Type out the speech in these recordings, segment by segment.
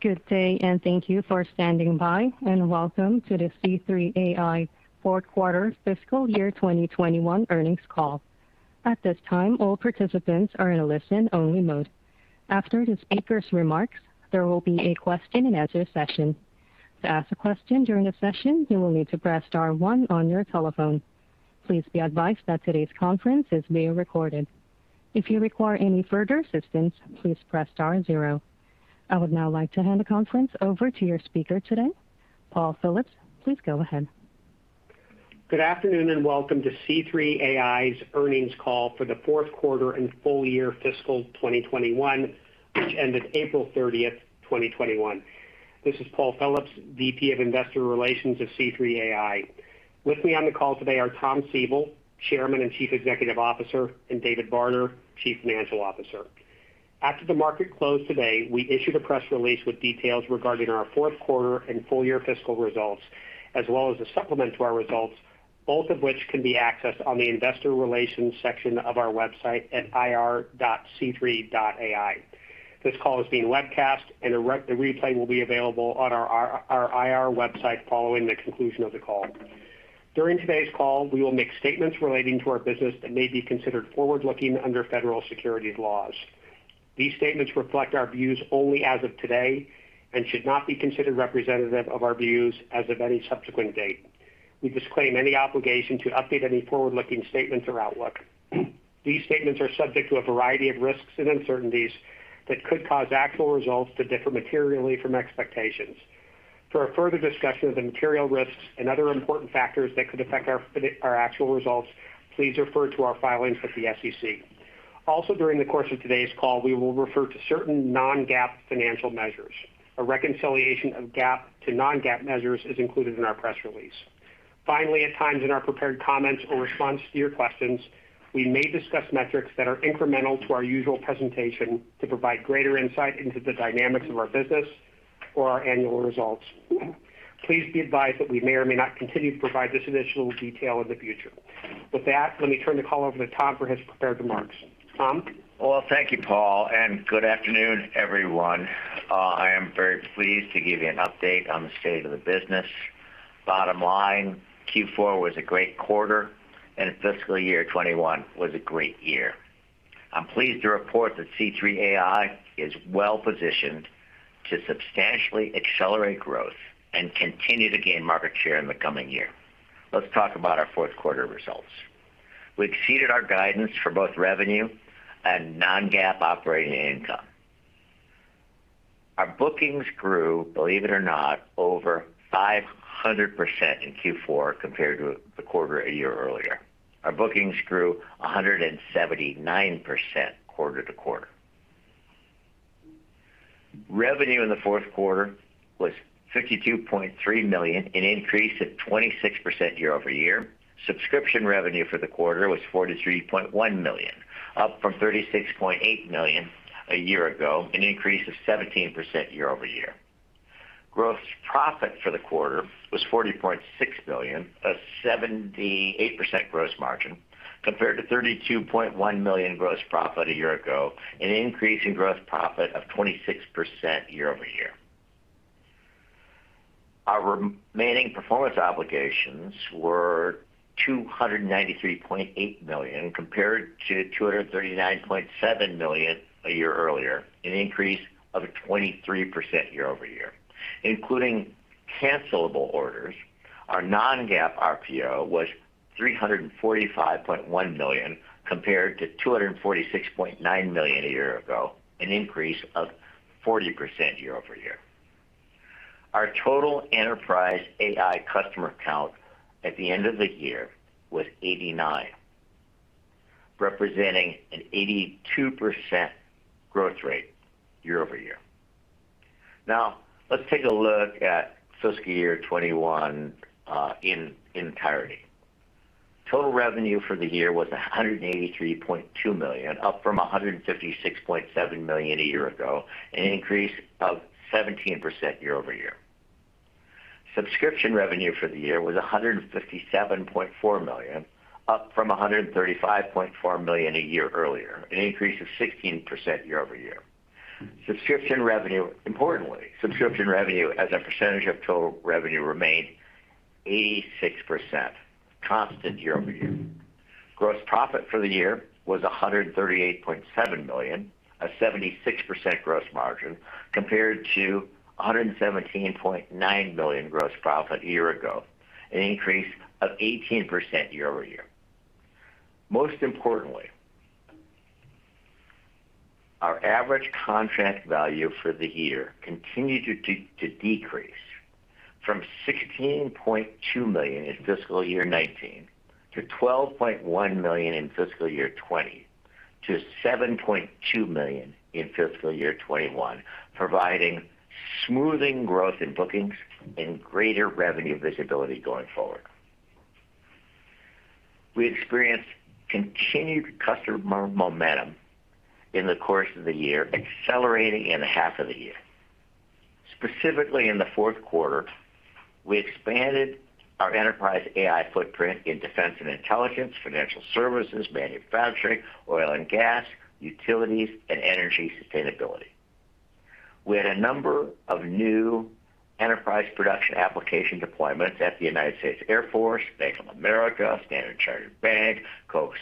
Good day. Thank you for standing by. Welcome to the C3.ai fourth quarter fiscal year 2021 earnings call. At this time, all participants are in a listen-only mode. After the speaker's remarks, there will be a question and answer session. To ask a question during the session, you will need to press star one on your telephone. Please be advised that today's conference is being recorded. If you require any further assistance, please press star zero. I would now like to hand the conference over to your speaker today, Paul Phillips. Please go ahead. Good afternoon and welcome to C3.ai's earnings call for the fourth quarter and full year fiscal 2021, which ended April 30th, 2021. This is Paul Phillips, VP of Investor Relations at C3.ai. With me on the call today are Tom Siebel, Chairman and Chief Executive Officer, and David Barter, Chief Financial Officer. After the market closed today, we issued a press release with details regarding our fourth quarter and full year fiscal results, as well as a supplement to our results, both of which can be accessed on the investor relations section of our website at ir.c3.ai. This call is being webcast and a replay will be available on our IR website following the conclusion of the call. During today's call, we will make statements relating to our business that may be considered forward-looking under federal securities laws. These statements reflect our views only as of today and should not be considered representative of our views as of any subsequent date. We disclaim any obligation to update any forward-looking statements or outlook. These statements are subject to a variety of risks and uncertainties that could cause actual results to differ materially from expectations. For a further discussion of the material risks and other important factors that could affect our actual results, please refer to our filings with the SEC. Also, during the course of today's call, we will refer to certain non-GAAP financial measures. A reconciliation of GAAP to non-GAAP measures is included in our press release. Finally, at times in our prepared comments or response to your questions, we may discuss metrics that are incremental to our usual presentation to provide greater insight into the dynamics of our business or our annual results. Please be advised that we may or may not continue to provide this additional detail in the future. With that, let me turn the call over to Tom for his prepared remarks. Tom? Well, thank you, Paul, good afternoon, everyone. I am very pleased to give you an update on the state of the business. Bottom line, Q4 was a great quarter and fiscal year 2021 was a great year. I'm pleased to report that C3.ai is well-positioned to substantially accelerate growth and continue to gain market share in the coming year. Let's talk about our fourth quarter results. We exceeded our guidance for both revenue and non-GAAP operating income. Our bookings grew, believe it or not, over 500% in Q4 compared to the quarter a year earlier. Our bookings grew 179% quarter-to-quarter. Revenue in the fourth quarter was $52.3 million, an increase of 26% year-over-year. Subscription revenue for the quarter was $43.1 million, up from $36.8 million a year ago, an increase of 17% year-over-year. Gross profit for the quarter was $40.6 million, a 78% gross margin, compared to $32.1 million gross profit a year ago, an increase in gross profit of 26% year-over-year. Our remaining performance obligations were $293.8 million compared to $239.7 million a year earlier, an increase of 23% year-over-year. Including cancelable orders, our non-GAAP RPO was $345.1 million, compared to $246.9 million a year ago, an increase of 40% year-over-year. Our total enterprise AI customer count at the end of the year was 89, representing an 82% growth rate year-over-year. Now, let's take a look at fiscal year 2021 in entirety. Total revenue for the year was $183.2 million, up from $156.7 million a year ago, an increase of 17% year-over-year. Subscription revenue for the year was $157.4 million, up from $135.4 million a year earlier, an increase of 16% year-over-year. Importantly, subscription revenue as a percentage of total revenue remained 86%, constant year-over-year. Gross profit for the year was $138.7 million, a 76% gross margin, compared to $117.9 million gross profit a year ago, an increase of 18% year-over-year. Most importantly, our average contract value for the year continued to decrease from $16.2 million in fiscal year 2019, to $12.1 million in fiscal year 2020, to $7.2 million in fiscal year 2021, providing smoothing growth in bookings and greater revenue visibility going forward. We experienced continued customer momentum in the course of the year, accelerating in the half of the year. Specifically in the fourth quarter. We expanded our enterprise AI footprint in defense and intelligence, financial services, manufacturing, oil and gas, utilities, and energy sustainability. We had a number of new enterprise production application deployments at the United States Air Force, Bank of America, Standard Chartered Bank, Koch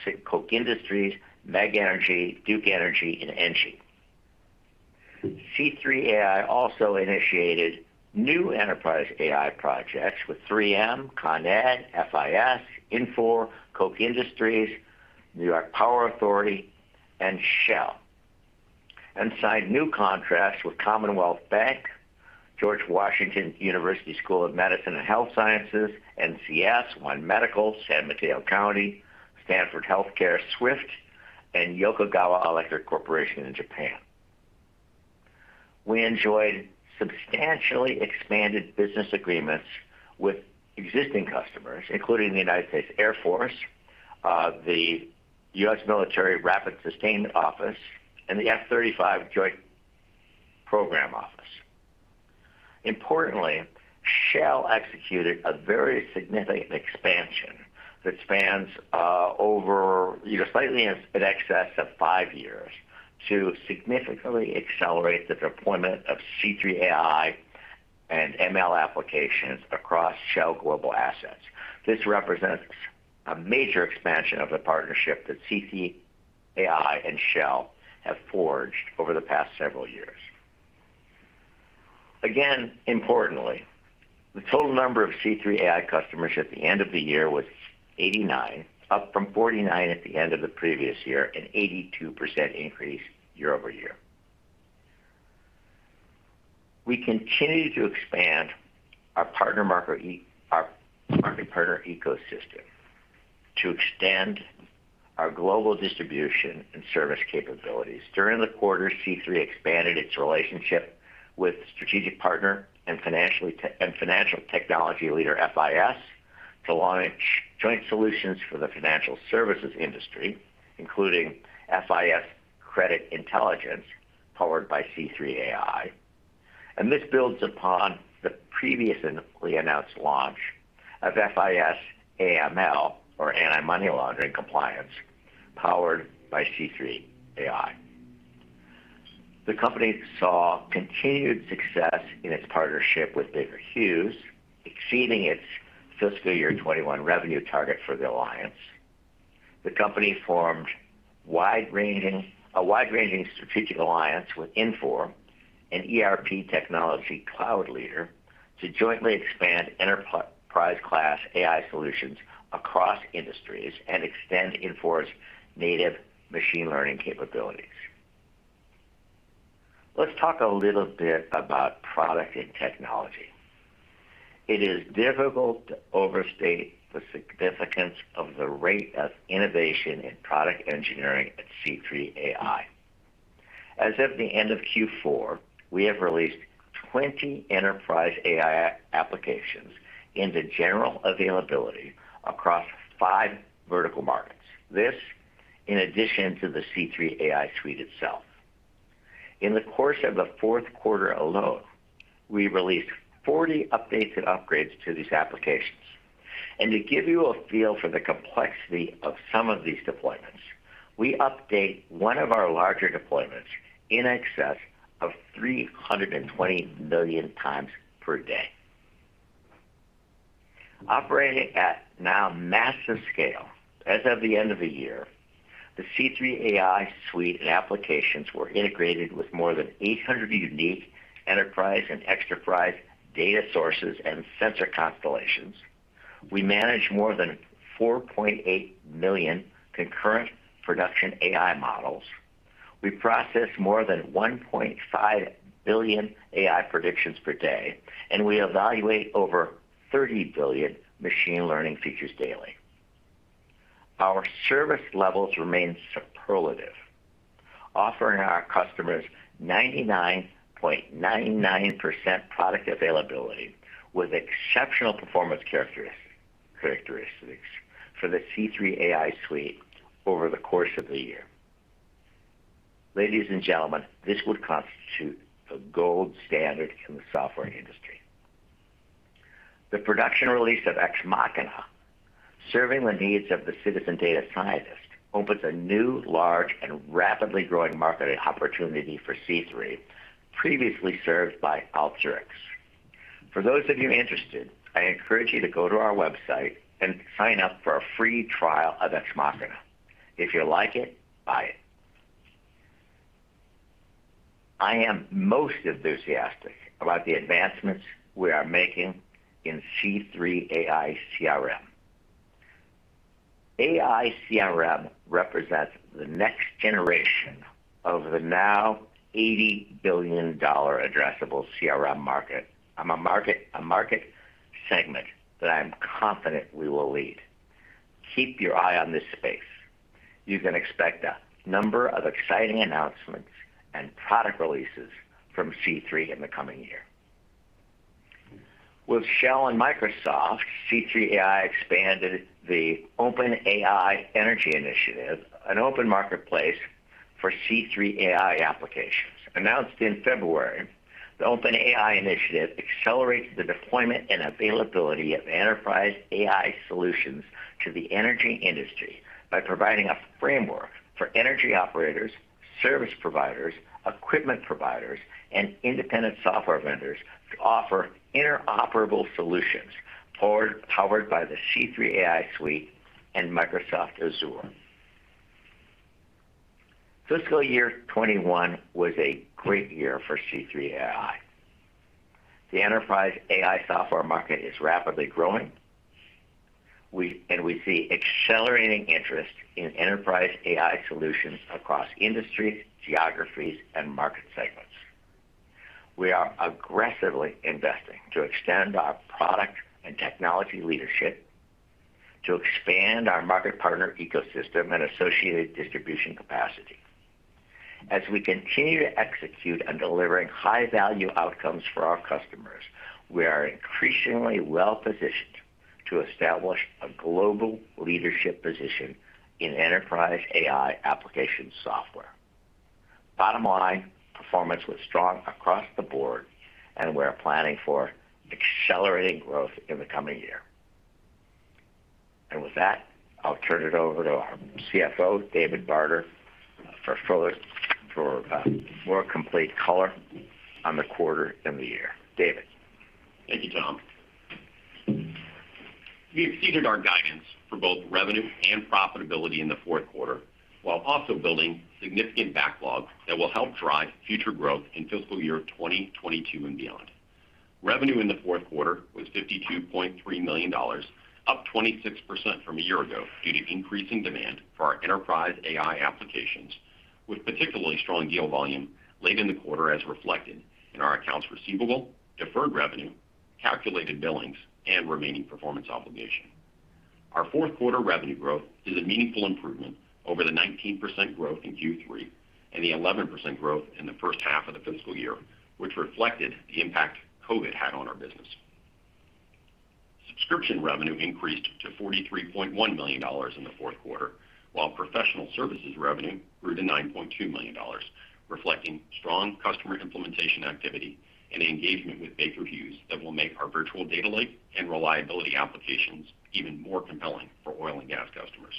Industries, MEG Energy, Duke Energy, and ENGIE. C3.ai also initiated new enterprise AI projects with 3M, Con Edison, FIS, Infor, Koch Industries, New York Power Authority, and Shell, and signed new contracts with Commonwealth Bank, George Washington University School of Medicine and Health Sciences, NCS, One Medical, San Mateo County, Stanford Health Care, SWIFT, and Yokogawa Electric Corporation in Japan. We enjoyed substantially expanded business agreements with existing customers, including the United States Air Force, the U.S. Military Rapid Sustainment Office, and the F-35 Lightning II Joint Program Office. Importantly, Shell executed a very significant expansion that spans over slightly in excess of five years to significantly accelerate the deployment of C3.ai and ML applications across Shell global assets. This represents a major expansion of the partnership that C3.ai and Shell have forged over the past several years. Importantly, the total number of C3.ai customers at the end of the year was 89, up from 49 at the end of the previous year, an 82% increase year-over-year. We continue to expand our partner ecosystem to extend our global distribution and service capabilities. During the quarter, C3.ai Expanded its relationship with strategic partner and financial technology leader FIS to launch joint solutions for the financial services industry, including FIS Credit Intelligence powered by C3.ai. This builds upon the previously announced launch of FIS AML, or anti-money laundering compliance, powered by C3.ai. The company saw continued success in its partnership with Baker Hughes, exceeding its fiscal year 2021 revenue target for the alliance. The company formed a wide-ranging strategic alliance with Infor, an ERP technology cloud leader, to jointly expand enterprise-class AI solutions across industries and extend Infor's native machine learning capabilities. Let's talk a little bit about product and technology. It is difficult to overstate the significance of the rate of innovation in product engineering at C3.ai. As of the end of Q4, we have released 20 enterprise AI applications into general availability across five vertical markets. This, in addition to the C3.ai Suite itself. In the course of the fourth quarter alone, we released 40 updates and upgrades to these applications. To give you a feel for the complexity of some of these deployments, we update one of our larger deployments in excess of 320 million times per day. Operating at now massive scale, as of the end of the year, the C3.ai Suite applications were integrated with more than 800 unique enterprise and extraprise data sources and sensor constellations. We manage more than 4.8 million concurrent production AI models. We process more than 1.5 billion AI predictions per day, and we evaluate over 30 billion machine learning features daily. Our service levels remain superlative, offering our customers 99.99% product availability with exceptional performance characteristics for the C3.ai Suite over the course of the year. Ladies and gentlemen, this would constitute the gold standard in the software industry. The production release of Ex Machina, serving the needs of the citizen data scientist, opens a new, large, and rapidly growing market and opportunity for C3, previously served by Alteryx. For those of you interested, I encourage you to go to our website and sign up for a free trial of Ex Machina. If you like it, buy it. I am most enthusiastic about the advancements we are making in C3.ai CRM. AI CRM represents the next generation of the now $80 billion addressable CRM market, a market segment that I'm confident we will lead. Keep your eye on this space. You can expect a number of exciting announcements and product releases from C3.ai In the coming year. With Shell and Microsoft, C3.ai expanded the Open AI Energy Initiative, an open marketplace for C3.ai applications. Announced in February, the Open AI Energy Initiative accelerates the deployment and availability of enterprise AI solutions to the energy industry by providing a framework for energy operators, service providers, equipment providers, and independent software vendors to offer interoperable solutions powered by the C3.ai Suite and Microsoft Azure. Fiscal year 2021 was a great year for C3.ai. The enterprise AI software market is rapidly growing, and we see accelerating interest in enterprise AI solutions across industries, geographies, and market segments. We are aggressively investing to extend our product and technology leadership to expand our market partner ecosystem and associated distribution capacity. As we continue to execute on delivering high-value outcomes for our customers, we are increasingly well-positioned to establish a global leadership position in enterprise AI application software. Bottom line, performance was strong across the board, and we're planning for accelerating growth in the coming year. With that, I'll turn it over to our CFO, David Barter, for further, for more complete color on the quarter and the year. David? Thank you, Tom. We've exceeded our guidance for both revenue and profitability in the fourth quarter while also building significant backlogs that will help drive future growth in FY 2022 and beyond. Revenue in the fourth quarter was $52.3 million, up 26% from a year ago due to increasing demand for our enterprise AI applications, with particularly strong deal volume late in the quarter as reflected in our accounts receivable, deferred revenue, calculated billings, and remaining performance obligation. Our fourth quarter revenue growth is a meaningful improvement over the 19% growth in Q3 and the 11% growth in the first half of the fiscal year, which reflected the impact COVID had on our business. Subscription revenue increased to $43.1 million in the fourth quarter, while professional services revenue grew to $9.2 million, reflecting strong customer implementation activity and engagement with Baker Hughes that will make our virtual data lake and reliability applications even more compelling for oil and gas customers.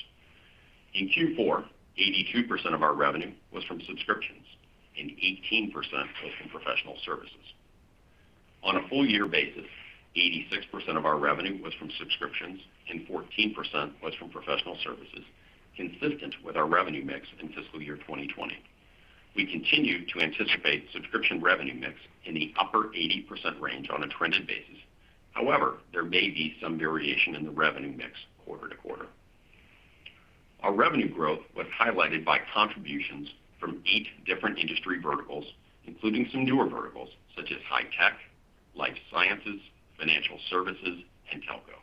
In Q4, 82% of our revenue was from subscriptions and 18% was from professional services. On a full-year basis, 86% of our revenue was from subscriptions and 14% was from professional services, consistent with our revenue mix in fiscal year 2020. We continue to anticipate subscription revenue mix in the upper 80% range on a trended basis. However, there may be some variation in the revenue mix quarter to quarter. Our revenue growth was highlighted by contributions from eight different industry verticals, including some newer verticals such as high tech, life sciences, financial services, and telco.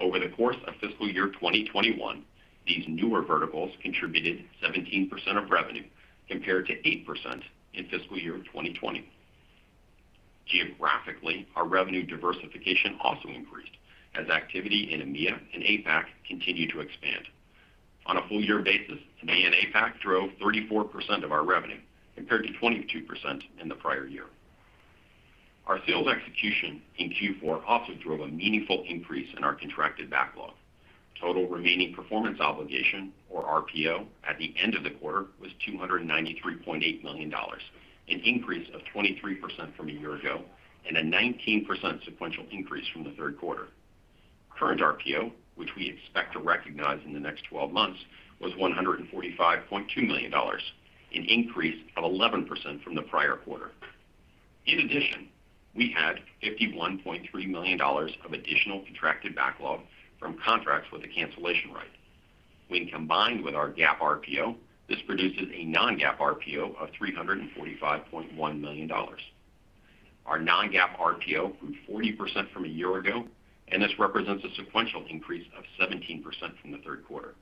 Over the course of fiscal year 2021, these newer verticals contributed 17% of revenue compared to 8% in fiscal year 2020. Geographically, our revenue diversification also increased as activity in EMEA and APAC continued to expand. On a full year basis, EMEA and APAC drove 34% of our revenue, compared to 22% in the prior year. Our sales execution in Q4 also drove a meaningful increase in our contracted backlog. Total remaining performance obligation, or RPO, at the end of the quarter was $293.8 million, an increase of 23% from a year ago and a 19% sequential increase from the third quarter. Current RPO, which we expect to recognize in the next 12 months, was $145.2 million, an increase of 11% from the prior quarter. In addition, we had $51.3 million of additional contracted backlog from contracts with a cancellation right. When combined with our GAAP RPO, this produces a non-GAAP RPO of $345.1 million. Our non-GAAP RPO grew 40% from a year ago, and this represents a sequential increase of 17% from the third quarter.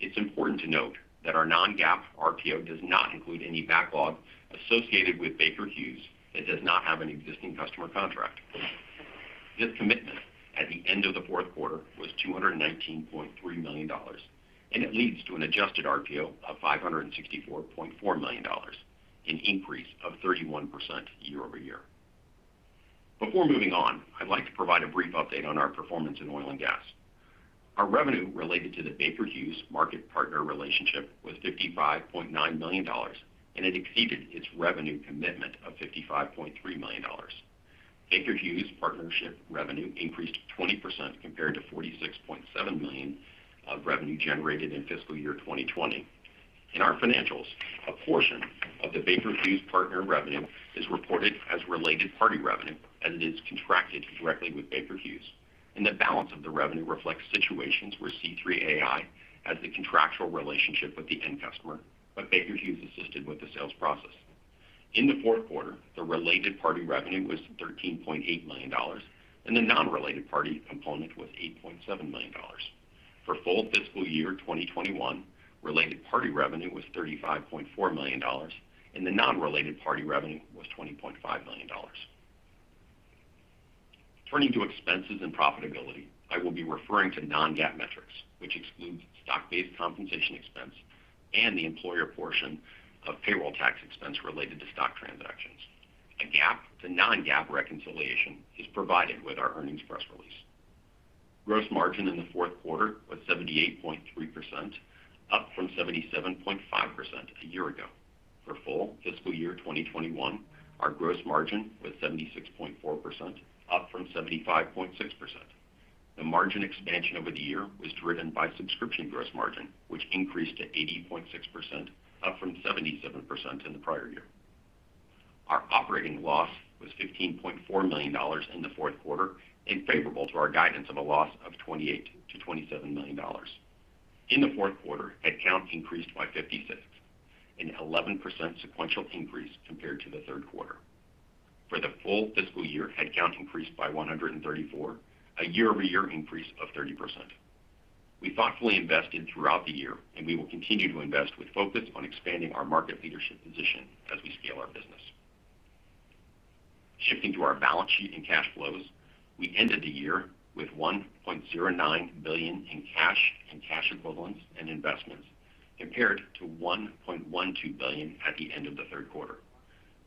It is important to note that our non-GAAP RPO does not include any backlog associated with Baker Hughes that does not have an existing customer contract. This commitment at the end of the fourth quarter was $219.3 million, and it leads to an adjusted RPO of $564.4 million, an increase of 31% year-over-year. Before moving on, I would like to provide a brief update on our performance in oil and gas. Our revenue related to the Baker Hughes market partner relationship was $55.9 million, and it exceeded its revenue commitment of $55.3 million. Baker Hughes partnership revenue increased 20% compared to $46.7 million of revenue generated in fiscal year 2020. In our financials, a portion of the Baker Hughes partner revenue is reported as related party revenue, as it is contracted directly with Baker Hughes, and the balance of the revenue reflects situations where C3.ai has a contractual relationship with the end customer, but Baker Hughes assisted with the sales process. In the fourth quarter, the related party revenue was $13.8 million, and the non-related party component was $8.7 million. For full fiscal year 2021, related party revenue was $35.4 million, and the non-related party revenue was $20.5 million. Turning to expenses and profitability, I will be referring to non-GAAP metrics, which excludes stock-based compensation expense and the employer portion of payroll tax expense related to stock transactions. A GAAP to non-GAAP reconciliation is provided with our earnings press release. Gross margin in the fourth quarter was 78.3%, up from 77.5% a year ago. For full fiscal year 2021, our gross margin was 76.4%, up from 75.6%. The margin expansion over the year was driven by subscription gross margin, which increased to 80.6%, up from 77% in the prior year. Our operating loss was $15.4 million in the fourth quarter and favorable to our guidance of a loss of $28 million to $27 million. In the fourth quarter, head count increased by 56, an 11% sequential increase compared to the third quarter. For the full fiscal year, head count increased by 134, a year-over-year increase of 30%. We thoughtfully invested throughout the year, and we will continue to invest with focus on expanding our market leadership position as we scale our business. Shifting to our balance sheet and cash flows, we ended the year with $1.09 billion in cash and cash equivalents and investments compared to $1.12 billion at the end of the third quarter.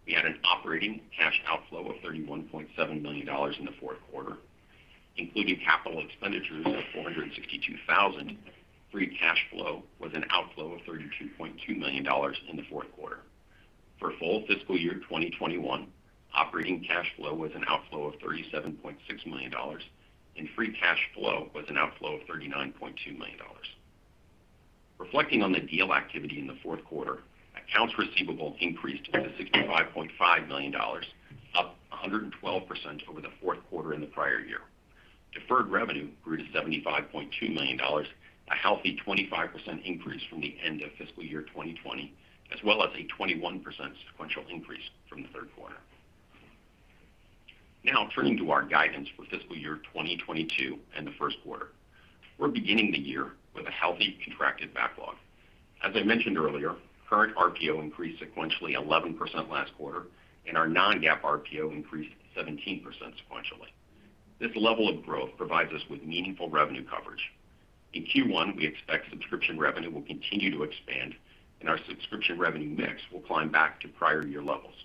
We had an operating cash outflow of $31.7 million in the fourth quarter. Including capital expenditures of $462,000, free cash flow was an outflow of $32.2 million in the fourth quarter. For full fiscal year 2021, operating cash flow was an outflow of $37.6 million, and free cash flow was an outflow of $39.2 million. Reflecting on the deal activity in the fourth quarter, accounts receivable increased to $65.5 million, up 112% over the fourth quarter in the prior year. Deferred revenue grew to $75.2 million, a healthy 25% increase from the end of fiscal year 2020, as well as a 21% sequential increase from the third quarter. Turning to our guidance for fiscal year 2022 and the first quarter. We're beginning the year with a healthy contracted backlog. As I mentioned earlier, current RPO increased sequentially 11% last quarter, and our non-GAAP RPO increased 17% sequentially. This level of growth provides us with meaningful revenue coverage. In Q1, we expect subscription revenue will continue to expand, and our subscription revenue mix will climb back to prior year levels.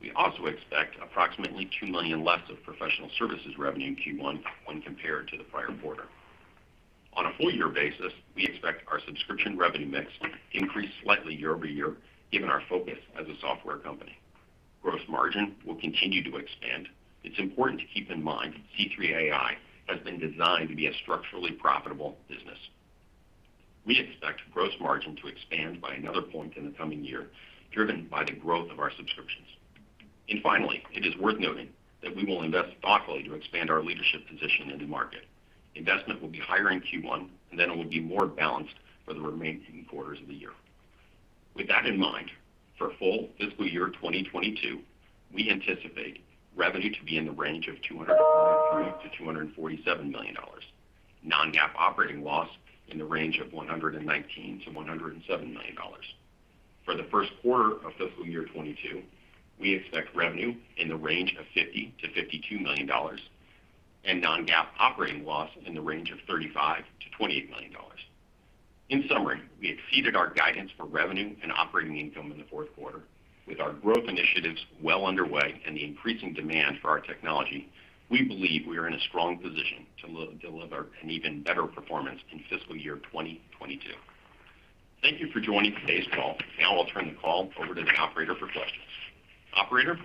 We also expect approximately $2 million less of professional services revenue in Q1 when compared to the prior quarter. On a full-year basis, we expect our subscription revenue mix to increase slightly year-over-year, given our focus as a software company. Gross margin will continue to expand. It's important to keep in mind that C3.ai has been designed to be a structurally profitable business. We expect gross margin to expand by another point in the coming year, driven by the growth of our subscriptions. Finally, it is worth noting that we will invest thoughtfully to expand our leadership position in the market. Investment will be higher in Q1, and then it will be more balanced for the remaining quarters of the year. With that in mind, for full fiscal year 2022, we anticipate revenue to be in the range of $243 million-$247 million, non-GAAP operating loss in the range of $119 million-$107 million. For the first quarter of fiscal year 2022, we expect revenue in the range of $50 million-$52 million and non-GAAP operating loss in the range of $35 million-$28 million. In summary, we exceeded our guidance for revenue and operating income in the fourth quarter. With our growth initiatives well underway and the increasing demand for our technology, we believe we are in a strong position to deliver an even better performance in fiscal year 2022. Thank you for joining today's call. Now I'll turn the call over to the operator for questions. Operator?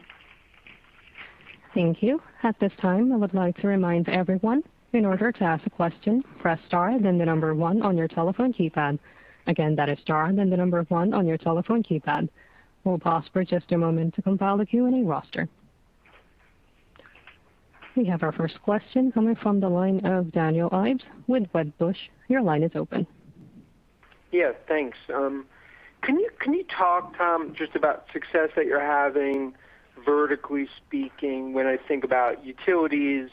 Thank you. At this time, I would like to remind everyone, in order to ask a question, press star and then the number one on your telephone keypad. Again, that is star and then the number one on your telephone keypad. We'll pause for just a moment to compile the queuing roster. We have our first question coming from the line of Daniel Ives with Wedbush. Your line is open. Yeah, thanks. Can you talk just about success that you're having vertically speaking when I think about utilities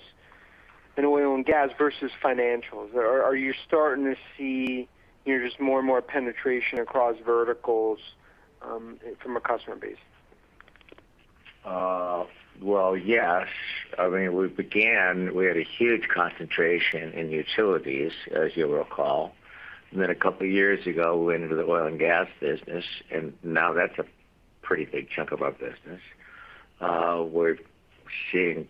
and oil and gas versus financials? Are you starting to see just more and more penetration across verticals from a customer base? Yes. We had a huge concentration in utilities, as you'll recall. Then a couple years ago, we went into the oil and gas business, and now that's a pretty big chunk of our business. We're seeing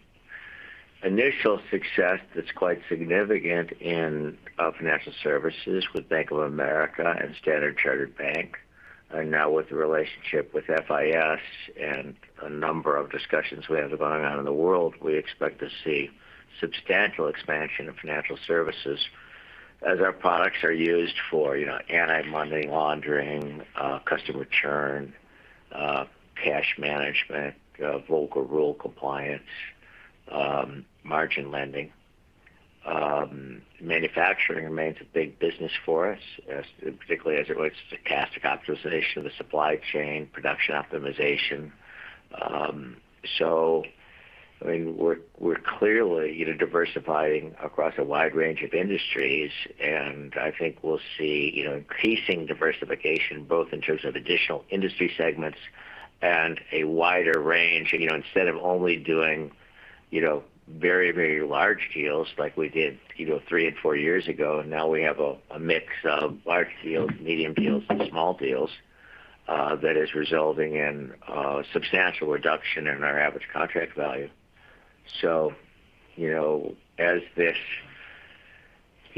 initial success that's quite significant in financial services with Bank of America and Standard Chartered Bank. Now with the relationship with FIS and a number of discussions we have going on in the world, we expect to see substantial expansion of financial services as our products are used for anti-money laundering, customer churn, cash management, Volcker Rule compliance, margin lending. Manufacturing remains a big business for us, particularly as it relates to cash optimization with supply chain, production optimization. We're clearly diversifying across a wide range of industries, and I think we'll see increasing diversification, both in terms of additional industry segments and a wider range. Instead of only doing very, very large deals like we did three and four years ago. We have a mix of large deals, medium deals, and small deals that is resulting in a substantial reduction in our average contract value.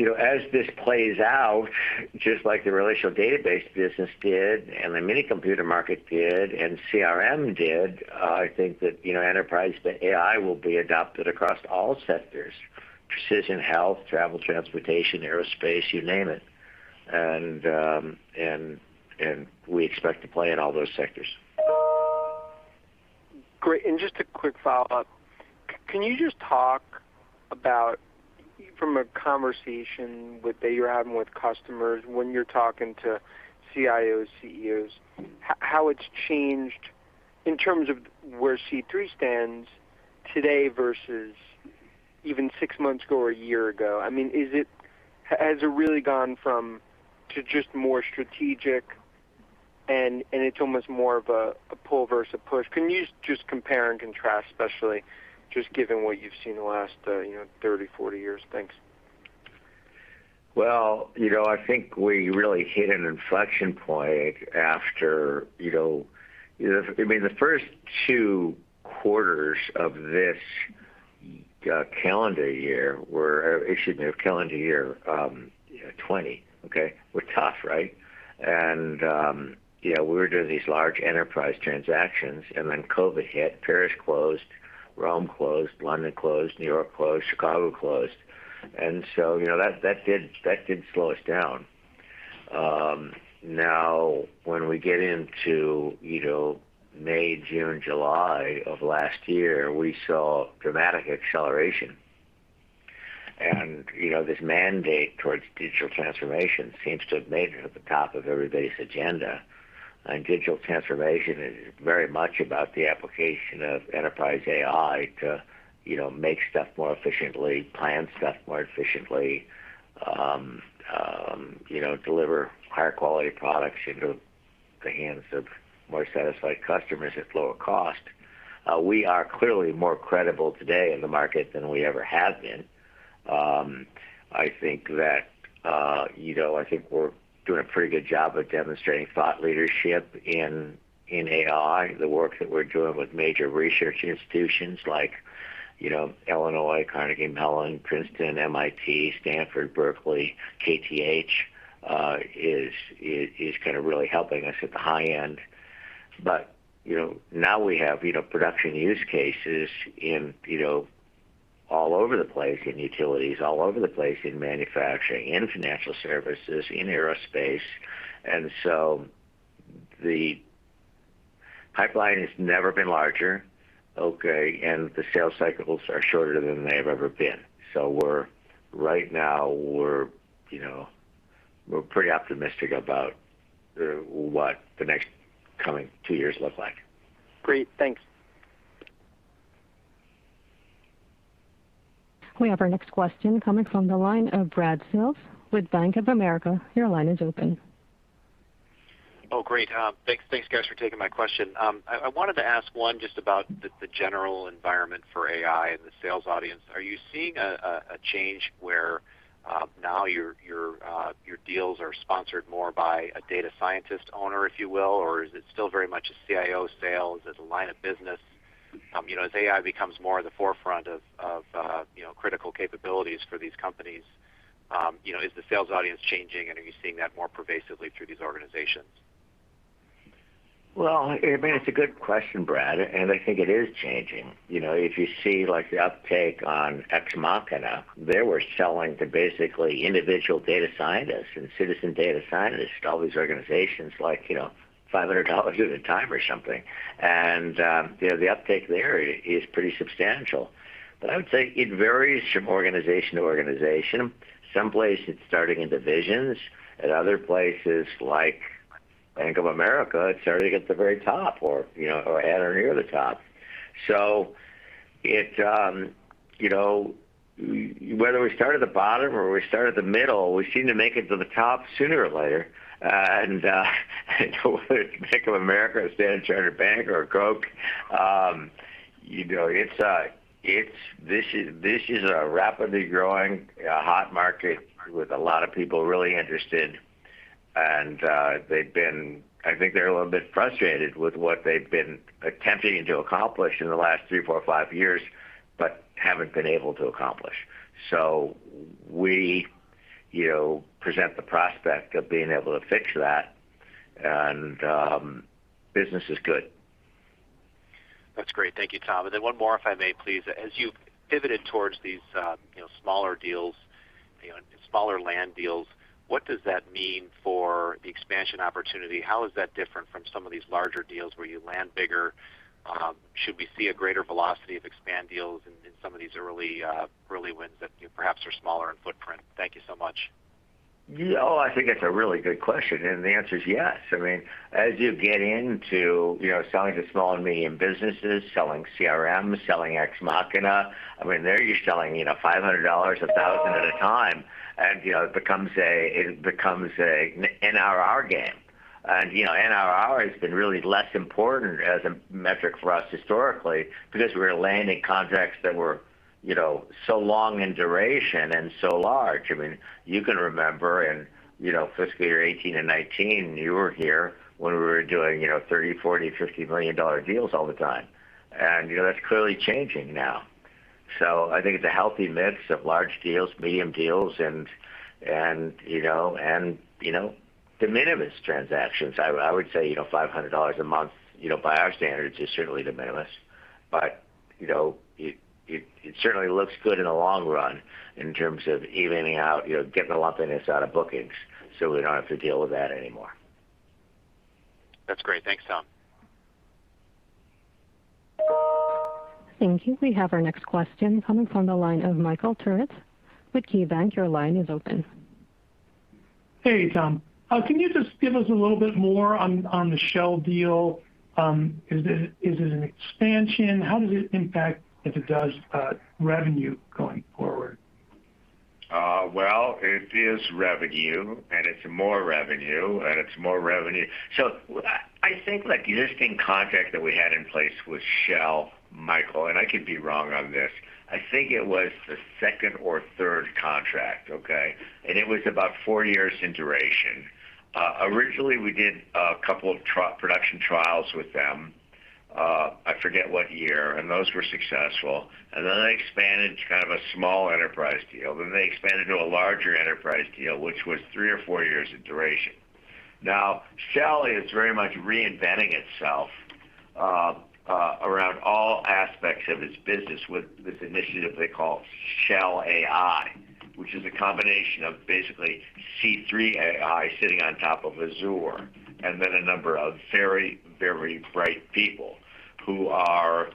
As this plays out, just like the relational database business did, and the minicomputer market did, and CRM did, I think that enterprise AI will be adopted across all sectors, precision health, travel, transportation, aerospace, you name it. We expect to play in all those sectors. Great. Just a quick follow-up. Can you just talk about from a conversation that you're having with customers when you're talking to CIOs, CEOs, how it's changed in terms of where C3.ai Stands today versus even six months ago or a year ago? Has it really gone from just more strategic, and it's almost more of a pull versus push? Can you just compare and contrast, especially just given what you've seen in the last 30, 40 years? Thanks. Well, I think we really hit an inflection point after. The first two quarters of this calendar year were issued in calendar year 2020, okay, were tough, right? We were doing these large enterprise transactions, and then COVID hit. Paris closed, Rome closed, London closed, New York closed, Chicago closed. That did slow us down. Now, when we get into May, June, July of last year, we saw dramatic acceleration. This mandate towards digital transformation seems to have made it to the top of everybody's agenda. Digital transformation is very much about the application of enterprise AI to make stuff more efficiently, plan stuff more efficiently, deliver high-quality products into the hands of more satisfied customers at lower cost. We are clearly more credible today in the market than we ever have been. We're doing a pretty good job of demonstrating thought leadership in AI. The work that we're doing with major research institutions like Illinois, Carnegie Mellon, Princeton, MIT, Stanford, Berkeley, KTH, is really helping us at the high end. Now we have production use cases all over the place in utilities, all over the place in manufacturing and financial services, in aerospace. The pipeline has never been larger, okay, and the sales cycles are shorter than they've ever been. Right now we're pretty optimistic about what the next coming two years look like. Great. Thanks. We have our next question coming from the line of Brad Sills with Bank of America. Your line is open. Oh, great. Thanks, guys, for taking my question. I wanted to ask one just about the general environment for AI and the sales audience. Are you seeing a change where now your deals are sponsored more by a data scientist owner, if you will, or is it still very much a CIO sale? Is it a line of business? As AI becomes more at the forefront of critical capabilities for these companies, is the sales audience changing, and are you seeing that more pervasively through these organizations? Well, I mean, it's a good question, Brad, and I think it is changing. If you see the uptake on Ex Machina, they were selling to basically individual data scientists and citizen data scientists at all these organizations, like $500 at a time or something. The uptake there is pretty substantial. I'm saying it varies from organization to organization. Some places it's starting in divisions. At other places like Bank of America, it's starting at the very top or at or near the top. Whether we start at the bottom or we start at the middle, we seem to make it to the top sooner or later. Whether it's Bank of America or Standard Chartered Bank or Koch, this is a rapidly growing hot market with a lot of people really interested. I think they're a little bit frustrated with what they've been attempting to accomplish in the last three, four, five years, but haven't been able to accomplish. We present the prospect of being able to fix that, and business is good. That's great. Thank you, Tom. Then one more, if I may, please. As you've pivoted towards these smaller deals, smaller land deals, what does that mean for the expansion opportunity? How is that different from some of these larger deals where you land bigger? Should we see a greater velocity of expand deals in some of these early wins that perhaps are smaller in footprint? Thank you so much. That's a really good question. The answer is yes. I mean, as you get into selling to small and medium businesses, selling CRM, selling Ex Machina, I mean, they're just selling $500, $1,000 at a time, and it becomes an ARR game. ARR has been really less important as a metric for us historically because we were landing contracts that were so long in duration and so large. You can remember in fiscal year 2018 and 2019, you were here when we were doing $30 million, $40 million, $50 million deals all the time. That's clearly changing now. I think it's a healthy mix of large deals, medium deals, and de minimis transactions. I would say $500 a month, by our standards, is certainly de minimis. It certainly looks good in the long run in terms of evening out, getting the lumpiness out of bookings so we don't have to deal with that anymore. That's great. Thanks, Tom. Thank you. We have our next question coming from the line of Michael Turits with KeyBanc. Your line is open. Hey, Tom. Can you just give us a little bit more on the Shell deal? Is it an expansion? How does it impact, if it does, revenue going forward? Well, it is revenue, and it's more revenue and it's more revenue. I think the existing contract that we had in place with Shell, Michael, and I could be wrong on this, I think it was the second or third contract, okay? It was about four years in duration. Originally, we did a couple of production trials with them, I forget what year, and those were successful. Then they expanded to kind of a small enterprise deal. They expanded to a larger enterprise deal, which was three or four years in duration. Shell is very much reinventing itself around all aspects of its business with this initiative they call Shell.ai, which is a combination of basically C3.ai sitting on top of Azure, and then a number of very, very bright people who are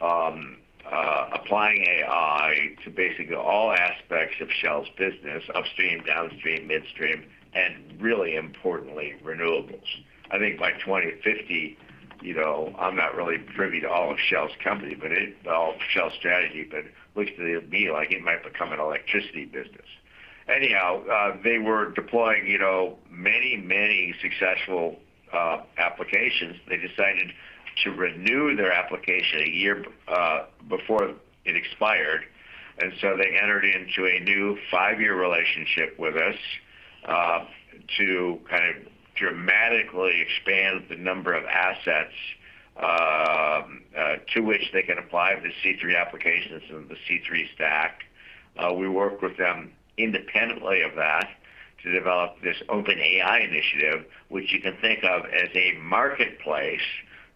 applying AI to basically all aspects of Shell's business, upstream, downstream, midstream, and really importantly, renewables. I think by 2050, I am not really privy to all of Shell's strategy, but it looks to me like it might become an electricity business. Anyhow, they were deploying many successful applications. They decided to renew their application a year before it expired, they entered into a new five-year relationship with us to dramatically expand the number of assets to which they can apply the C3.ai Applications and the C3.ai Stack. We work with them independently of that to develop this Open AI Energy Initiative, which you can think of as a marketplace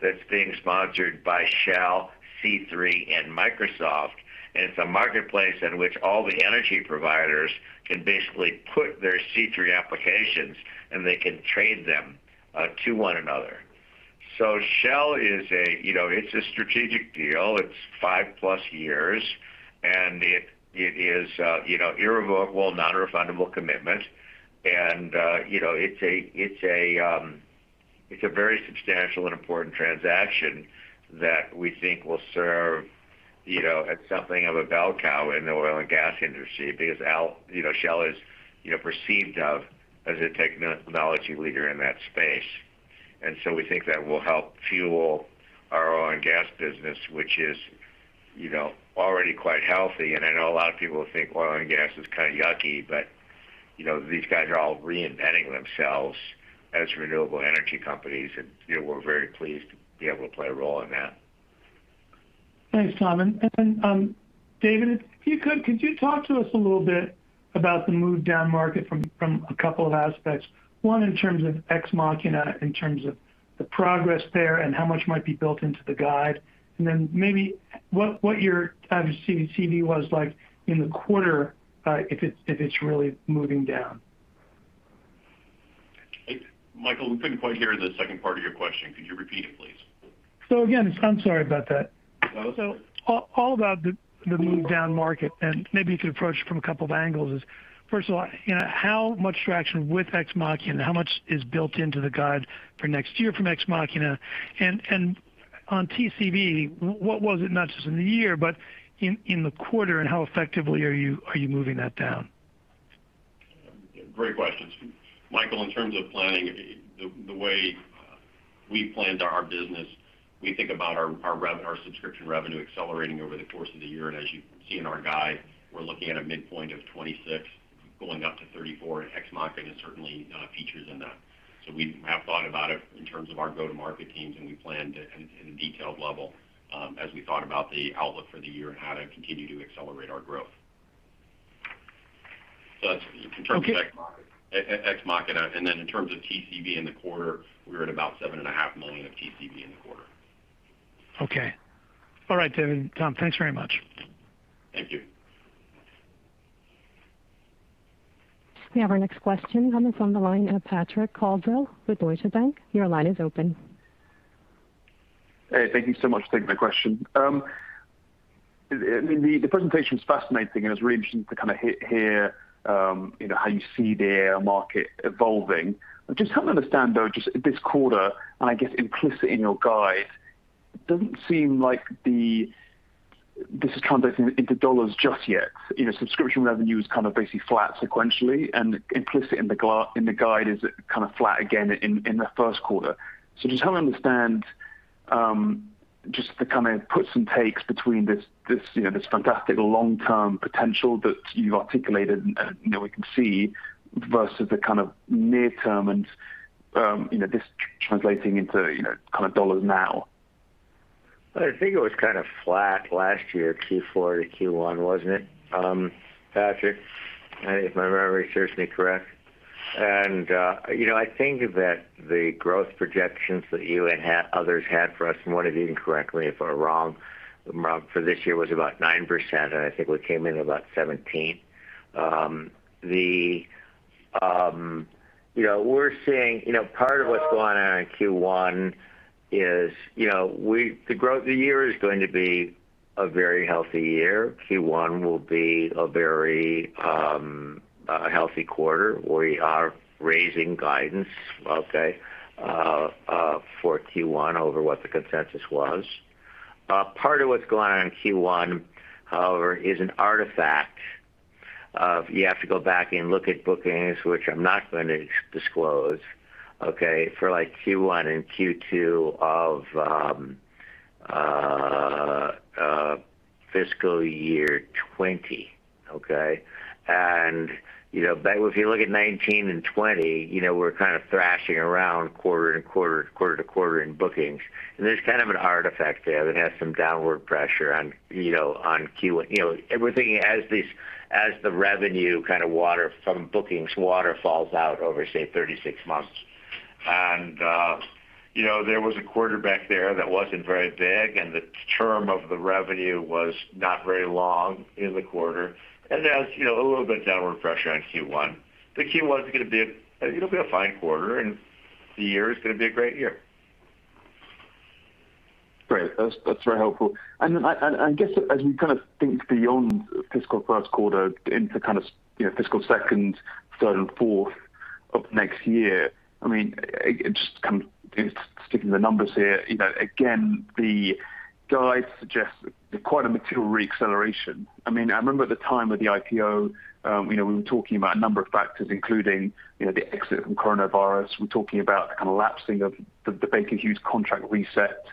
that's being sponsored by Shell, C3, and Microsoft. It's a marketplace in which all the energy providers can basically put their C3.ai Applications and they can trade them to one another. Shell is a strategic deal. It's five-plus years, and it is irrevocable, non-refundable commitment. It's a very substantial and important transaction that we think will serve as something of a bell cow in the oil and gas industry because Shell is perceived of as a technology leader in that space. We think that will help fuel our oil and gas business, which is already quite healthy. I know a lot of people think oil and gas is kind of yucky, but these guys are all reinventing themselves as renewable energy companies, and we're very pleased to be able to play a role in that. Thanks, Tom. David, could you talk to us a little bit about the move down market from a couple of aspects? One, in terms of Ex Machina, in terms of the progress there and how much might be built into the guide, and then maybe what your kind of TCV was like in the quarter if it's really moving down? Michael, we couldn't quite hear the second part of your question. Could you repeat it, please? Again, I'm sorry about that. Okay. All about the move down market, and maybe you could approach from a couple of angles is, first of all, how much traction with Ex Machina, how much is built into the guide for next year from Ex Machina? On TCV, what was it, not just in the year, but in the quarter, and how effectively are you moving that down? Great questions. Michael, in terms of planning, the way we planned our business, we think about our subscription revenue accelerating over the course of the year. As you can see in our guide, we're looking at a midpoint of 26% going up to 34%, and C3.ai Ex Machina certainly features in that. We have thought about it in terms of our go-to-market teams, and we planned in a detailed level as we thought about the outlook for the year and how to continue to accelerate our growth. Okay. That's in terms of Ex Machina. In terms of TCV in the quarter, we're at about $7.5 million of TCV in the quarter. Okay. All right, David and Tom, thanks very much. Thank you. We have our next question coming from the line of Patrick Colville with Deutsche Bank. Your line is open. Hey, thank you so much. Thanks for the question. The presentation's fascinating, and it's really interesting to hear how you see the AI market evolving. Just help me understand, though, just this quarter, and I guess implicit in your guide. Doesn't seem like this is translating into dollars just yet. Subscription revenue is basically flat sequentially, and implicit in the guide is kind of flat again in the first quarter. I just want to understand just the puts and takes between this fantastic long-term potential that you articulated and we can see, versus the kind of near term and this translating into dollars now. It was kind of flat last year, Q4 to Q1, wasn't it, Patrick? If my memory serves me correct. I think that the growth projections that you and others had for us, and one of you can correct me if I'm wrong, for this year was about 9%, and I think we came in about 17%. We're seeing part of what's going on in Q1 is the year is going to be a very healthy year. Q1 will be a very healthy quarter. We are raising guidance, okay, for Q1 over what the consensus was. Part of what's going on in Q1, however, is an artifact of you have to go back and look at bookings, which I'm not going to disclose, okay, for like Q1 and Q2 of fiscal year 2020. Okay? If you look at 2019 and 2020, we're kind of thrashing around quarter to quarter to quarter to quarter in bookings, and there's kind of an artifact there that has some downward pressure on Q1. We're thinking as the revenue from bookings waterfalls out over, say, 36 months. There was a quarter back there that wasn't very big, and the term of the revenue was not very long in the quarter, and there was a little bit downward pressure on Q1. Q1 it'll be a fine quarter, and the year is going to be a great year. Great. That's very helpful. As we think beyond fiscal first quarter into fiscal second, third, and fourth of next year, I mean, just sticking the numbers here, again, the guide suggests quite a material re-acceleration. I mean, I remember at the time of the IPO, we were talking about a number of factors, including the exit from coronavirus. We're talking about the collapsing of the Baker Hughes contract reset.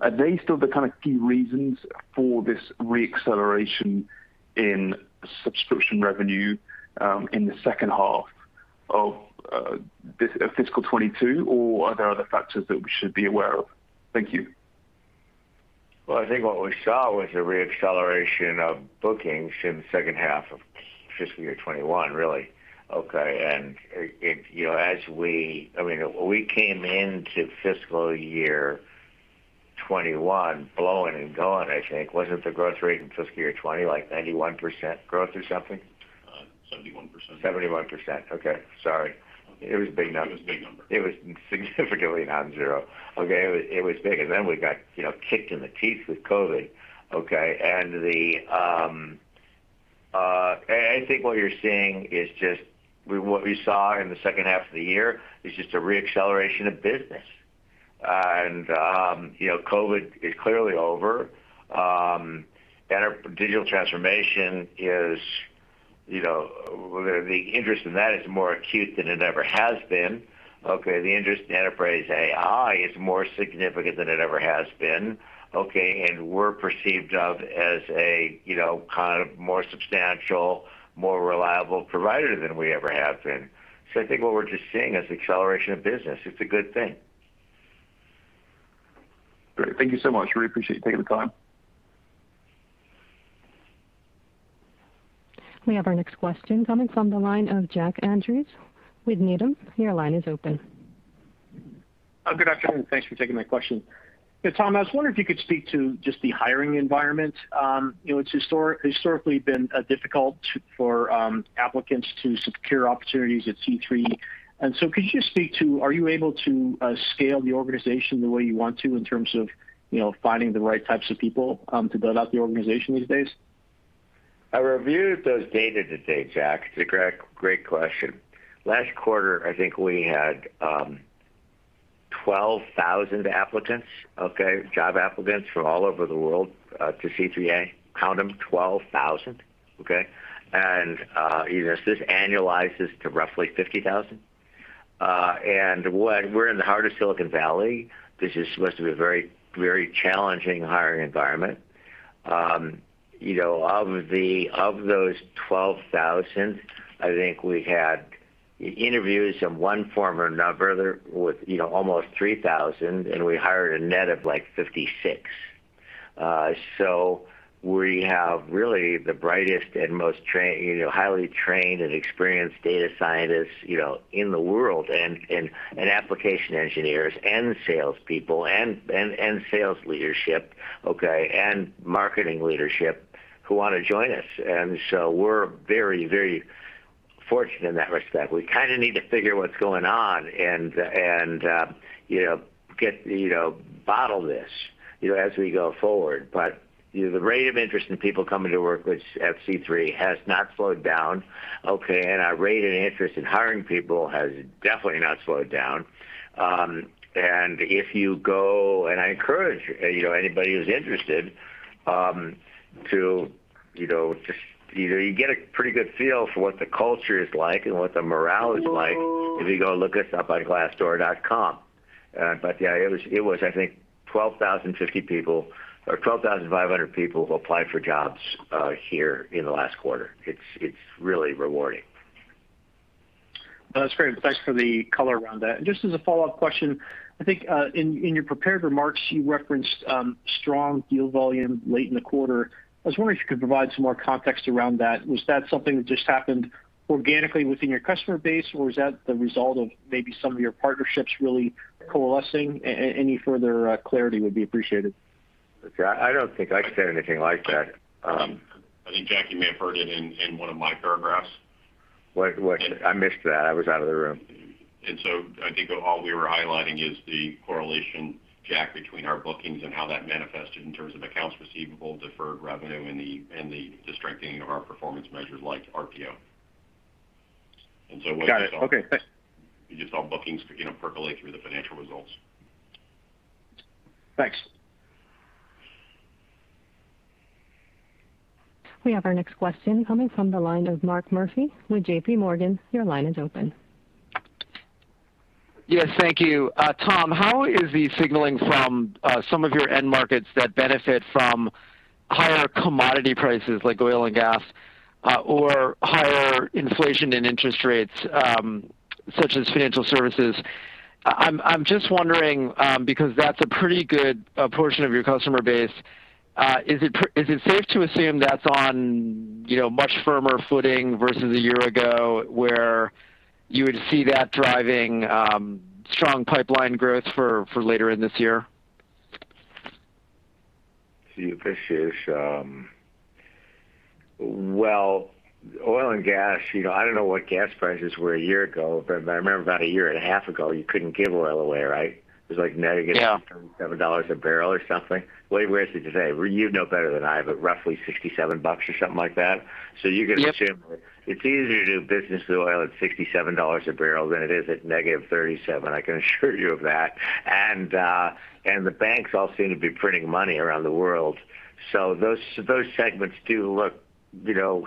Are they still the key reasons for this re-acceleration in subscription revenue in the second half of fiscal 2022, or are there other factors that we should be aware of? Thank you. Well, I think what we saw was a re-acceleration of bookings in the second half of fiscal year 2021, really, okay? We came into fiscal year 2021 blowing and going, I think. Wasn't the growth rate in fiscal year 2020 like 91% growth or something? 71%. 71%. Okay. Sorry. It was a big number. It was a big number. It was significantly non-zero. Okay. It was big. Then we got kicked in the teeth with COVID, okay? I think what you're seeing is just what we saw in the second half of the year is just a re-acceleration of business. COVID is clearly over. Digital transformation, the interest in that is more acute than it ever has been. Okay? The interest in enterprise AI is more significant than it ever has been. Okay? We're perceived of as a kind of more substantial, more reliable provider than we ever have been. I think what we're just seeing is acceleration of business. It's a good thing. Great. Thank you so much. Really appreciate you taking the time. We have our next question coming from the line of Jack Andrews with Needham. Your line is open. Good afternoon. Thanks for taking my question. Tom, I was wondering if you could speak to just the hiring environment. It's historically been difficult for applicants to secure opportunities at C3. Could you speak to, are you able to scale the organization the way you want to in terms of finding the right types of people to build out the organization these days? I reviewed those data today, Jack. It's a great question. Last quarter, I think we had 12,000 applicants, okay, job applicants from all over the world to C3.ai. Count them, 12,000. Okay? This annualizes to roughly 50,000. We're in the heart of Silicon Valley, which is supposed to be a very challenging hiring environment. Of those 12,000, I think we had interviews in one form or another with almost 3,000, and we hired a net of like 56. We have really the brightest and most highly trained and experienced data scientists in the world, and application engineers and salespeople and sales leadership, okay, and marketing leadership who want to join us. We're very, very fortunate in that respect. We kind of need to figure what's going on and bottle this as we go forward. The rate of interest in people coming to work with C3.ai has not slowed down, okay, and our rate of interest in hiring people has definitely not slowed down. If you go, and I encourage anybody who's interested to. You get a pretty good feel for what the culture is like and what the morale is like if you go look us up on Glassdoor.com. Yeah, it was, I think 12,500 people who applied for jobs here in the last quarter. It's really rewarding. That's great. Thanks for the color around that. Just as a follow-up question, I think in your prepared remarks, you referenced strong deal volume late in the quarter. I was wondering if you could provide some more context around that. Was that something that just happened organically within your customer base, or was that the result of maybe some of your partnerships really coalescing? Any further clarity would be appreciated. I don't think I said anything like that. I think Jack may have heard it in one of my paragraphs. I missed that. I was out of the room. I think all we were highlighting is the correlation, Jack, between our bookings and how that manifested in terms of accounts receivable, deferred revenue, and the strengthening of our performance measures like RPO. Got it. Okay, thanks. You saw bookings percolate through the financial results. Thanks. We have our next question coming from the line of Mark Murphy with JPMorgan. Your line is open. Yes, thank you. Tom, how is the signaling from some of your end markets that benefit from higher commodity prices like oil and gas, or higher inflation and interest rates, such as financial services? I'm just wondering because that's a pretty good portion of your customer base. Is it safe to assume that's on much firmer footing versus a year ago where you would see that driving strong pipeline growth for later in this year? Appreciate it. Well, oil and gas, I don't know what gas prices were a year ago, but I remember about a year and a half ago, you couldn't give oil away, right? It was like negative $37 a barrel or something. What is it today? You'd know better than I, but roughly $67 or something like that. You can assume it's easier to do business with oil at $67 a barrel than it is at negative $37, I can assure you of that. The banks all seem to be printing money around the world. Those segments do look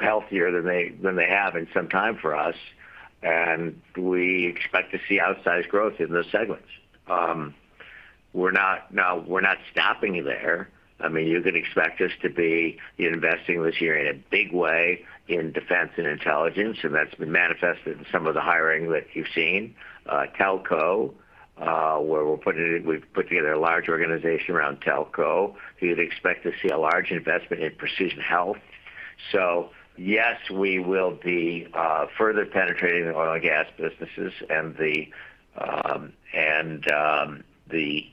healthier than they have in some time for us, and we expect to see outsized growth in those segments. We're not stopping there. You can expect us to be investing this year in a big way in defense and intelligence, and that's been manifested in some of the hiring that you've seen. Telco, where we've put together a large organization around telco. You'd expect to see a large investment in precision health. Yes, we will be further penetrating the oil and gas businesses and the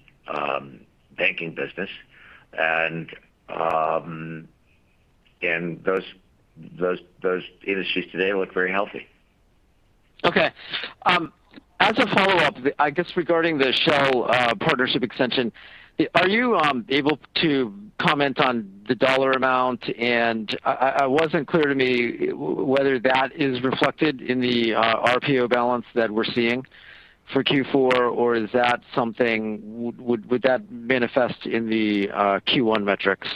banking business and those industries today look very healthy. Okay. As a follow-up, regarding the Shell partnership extension, are you able to comment on the dollar amount? It wasn't clear to me whether that is reflected in the RPO balance that we're seeing for Q4, or would that manifest in the Q1 metrics?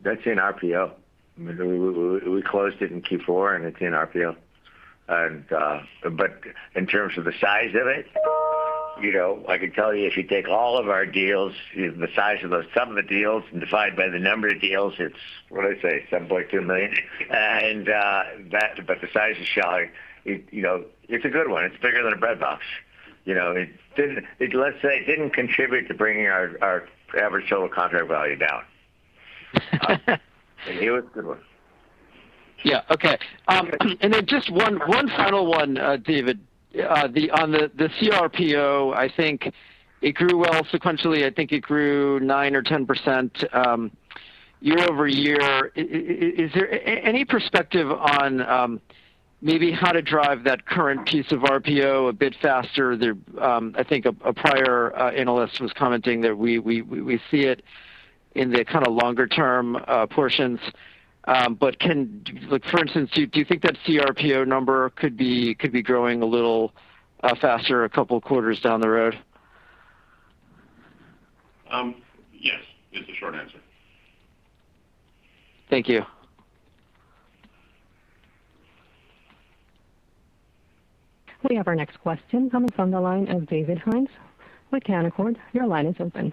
That's in RPO. We closed it in Q4, and it's in RPO. In terms of the size of it, I could tell you if you take all of our deals, the size of the sum of the deals and divide by the number of deals, it's, what did I say, $7.2 million. The size of Shell, it's a good one. It's bigger than a breadbox. Let's say it didn't contribute to bringing our average total contract value down. It was a good one. Yeah. Okay. Then just one final one, David. On the CRPO, I think it grew well sequentially. I think it grew 9% or 10% year-over-year. Is there any perspective on maybe how to drive that current piece of RPO a bit faster? I think a prior analyst was commenting that we see it in the longer-term portions. For instance, do you think that CRPO number could be growing a little faster a couple quarters down the road? Yes, is the short answer. Thank you. We have our next question coming from the line of David Hynes with Canaccord. Your line is open.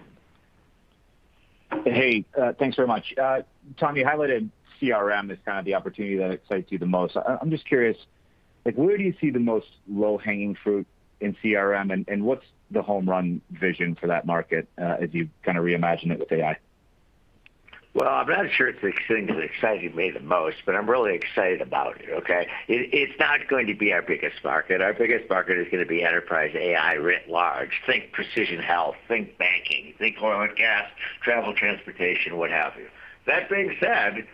Hey, thanks very much. Tom, you highlighted CRM as kind of the opportunity that excites you the most. I'm just curious, where do you see the most low-hanging fruit in CRM, and what's the home run vision for that market as you kind of reimagine it with AI? Well, I'm not sure it's the thing that excites me the most, but I'm really excited about it, okay? It's not going to be our biggest market. Our biggest market is going to be enterprise AI writ large. Think precision health, think banking, think oil and gas, travel, transportation, what have you. That being said,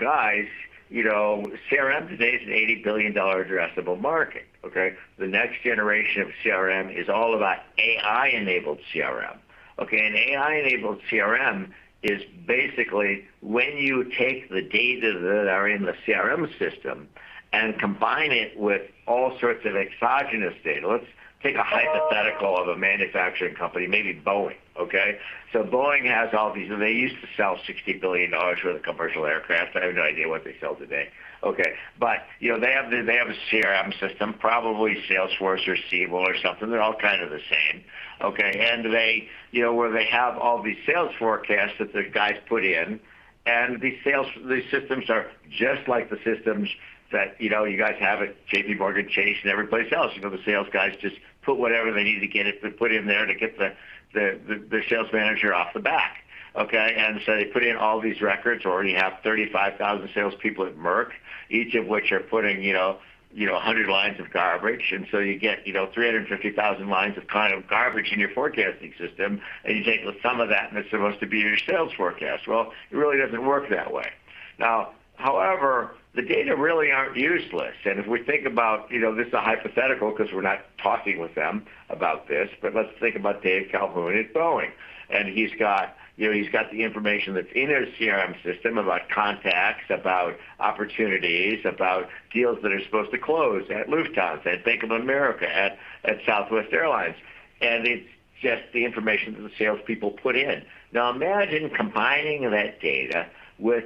guys, CRM today is an $80 billion addressable market, okay? The next generation of CRM is all about AI-enabled CRM, okay? AI-enabled CRM is basically when you take the data that are in the CRM system and combine it with all sorts of exogenous data. Let's take a hypothetical of a manufacturing company, maybe Boeing. Boeing, they used to sell $60 billion worth of commercial aircraft. I have no idea what they sell today. They have a CRM system, probably Salesforce or Siebel or something. They're all kind of the same, where they have all these sales forecasts that the guys put in, and these systems are just like the systems that you guys have at JPMorgan Chase and every place else. They put in all these records, or you have 35,000 salespeople at Merck, each of which are putting 100 lines of garbage. You get 350,000 lines of garbage in your forecasting system, and you take the sum of that, and it's supposed to be your sales forecast. It really doesn't work that way. However, the data really aren't useless. If we think about, this is a hypothetical because we're not talking with them about this, but let's think about Dave Calhoun at Boeing. He's got the information that's in his CRM system about contacts, about opportunities, about deals that are supposed to close at Lufthansa and Bank of America, at Southwest Airlines. It's just the information that the salespeople put in. Now, imagine combining that data with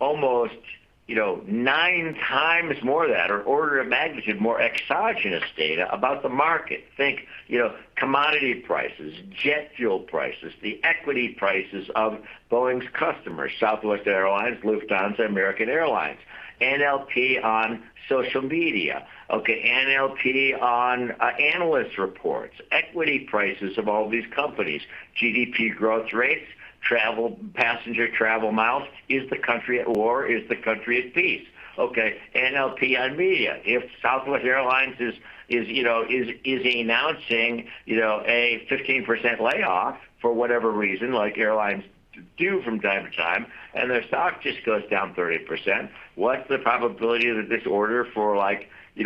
almost 9x more of that, or order of magnitude more exogenous data about the market. Think commodity prices, jet fuel prices, the equity prices of Boeing's customers, Southwest Airlines, Lufthansa, American Airlines. NLP on social media. NLP on analyst reports. Equity prices of all these companies. GDP growth rates. Passenger travel miles. Is the country at war? Is the country at peace? NLP on media. If Southwest Airlines is announcing a 15% layoff for whatever reason, like airlines do from time to time, and their stock just goes down 30%, what's the probability that this order for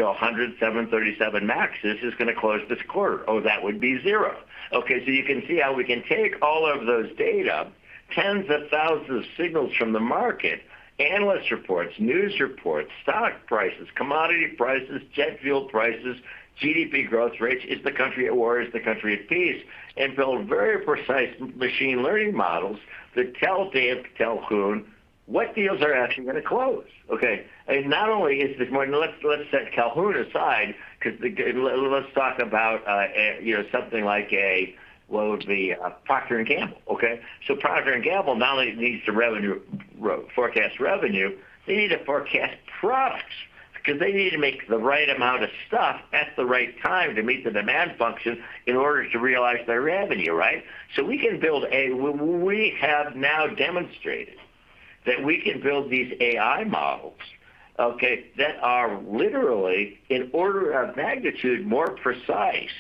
100 737 MAXes is going to close this quarter? Oh, that would be zero. You can see how we can take all of those data, tens of thousands of signals from the market, analyst reports, news reports, stock prices, commodity prices, jet fuel prices, GDP growth rates. Is the country at war? Is the country at peace? Build very precise machine learning models that tell Dave Calhoun what deals are actually going to close. Let's set Calhoun aside because let's talk about something like a Procter & Gamble. Procter & Gamble, not only needs to forecast revenue, they need to forecast profits because they need to make the right amount of stuff at the right time to meet the demand function in order to realize their revenue. We have now demonstrated that we can build these AI models that are literally an order of magnitude more precise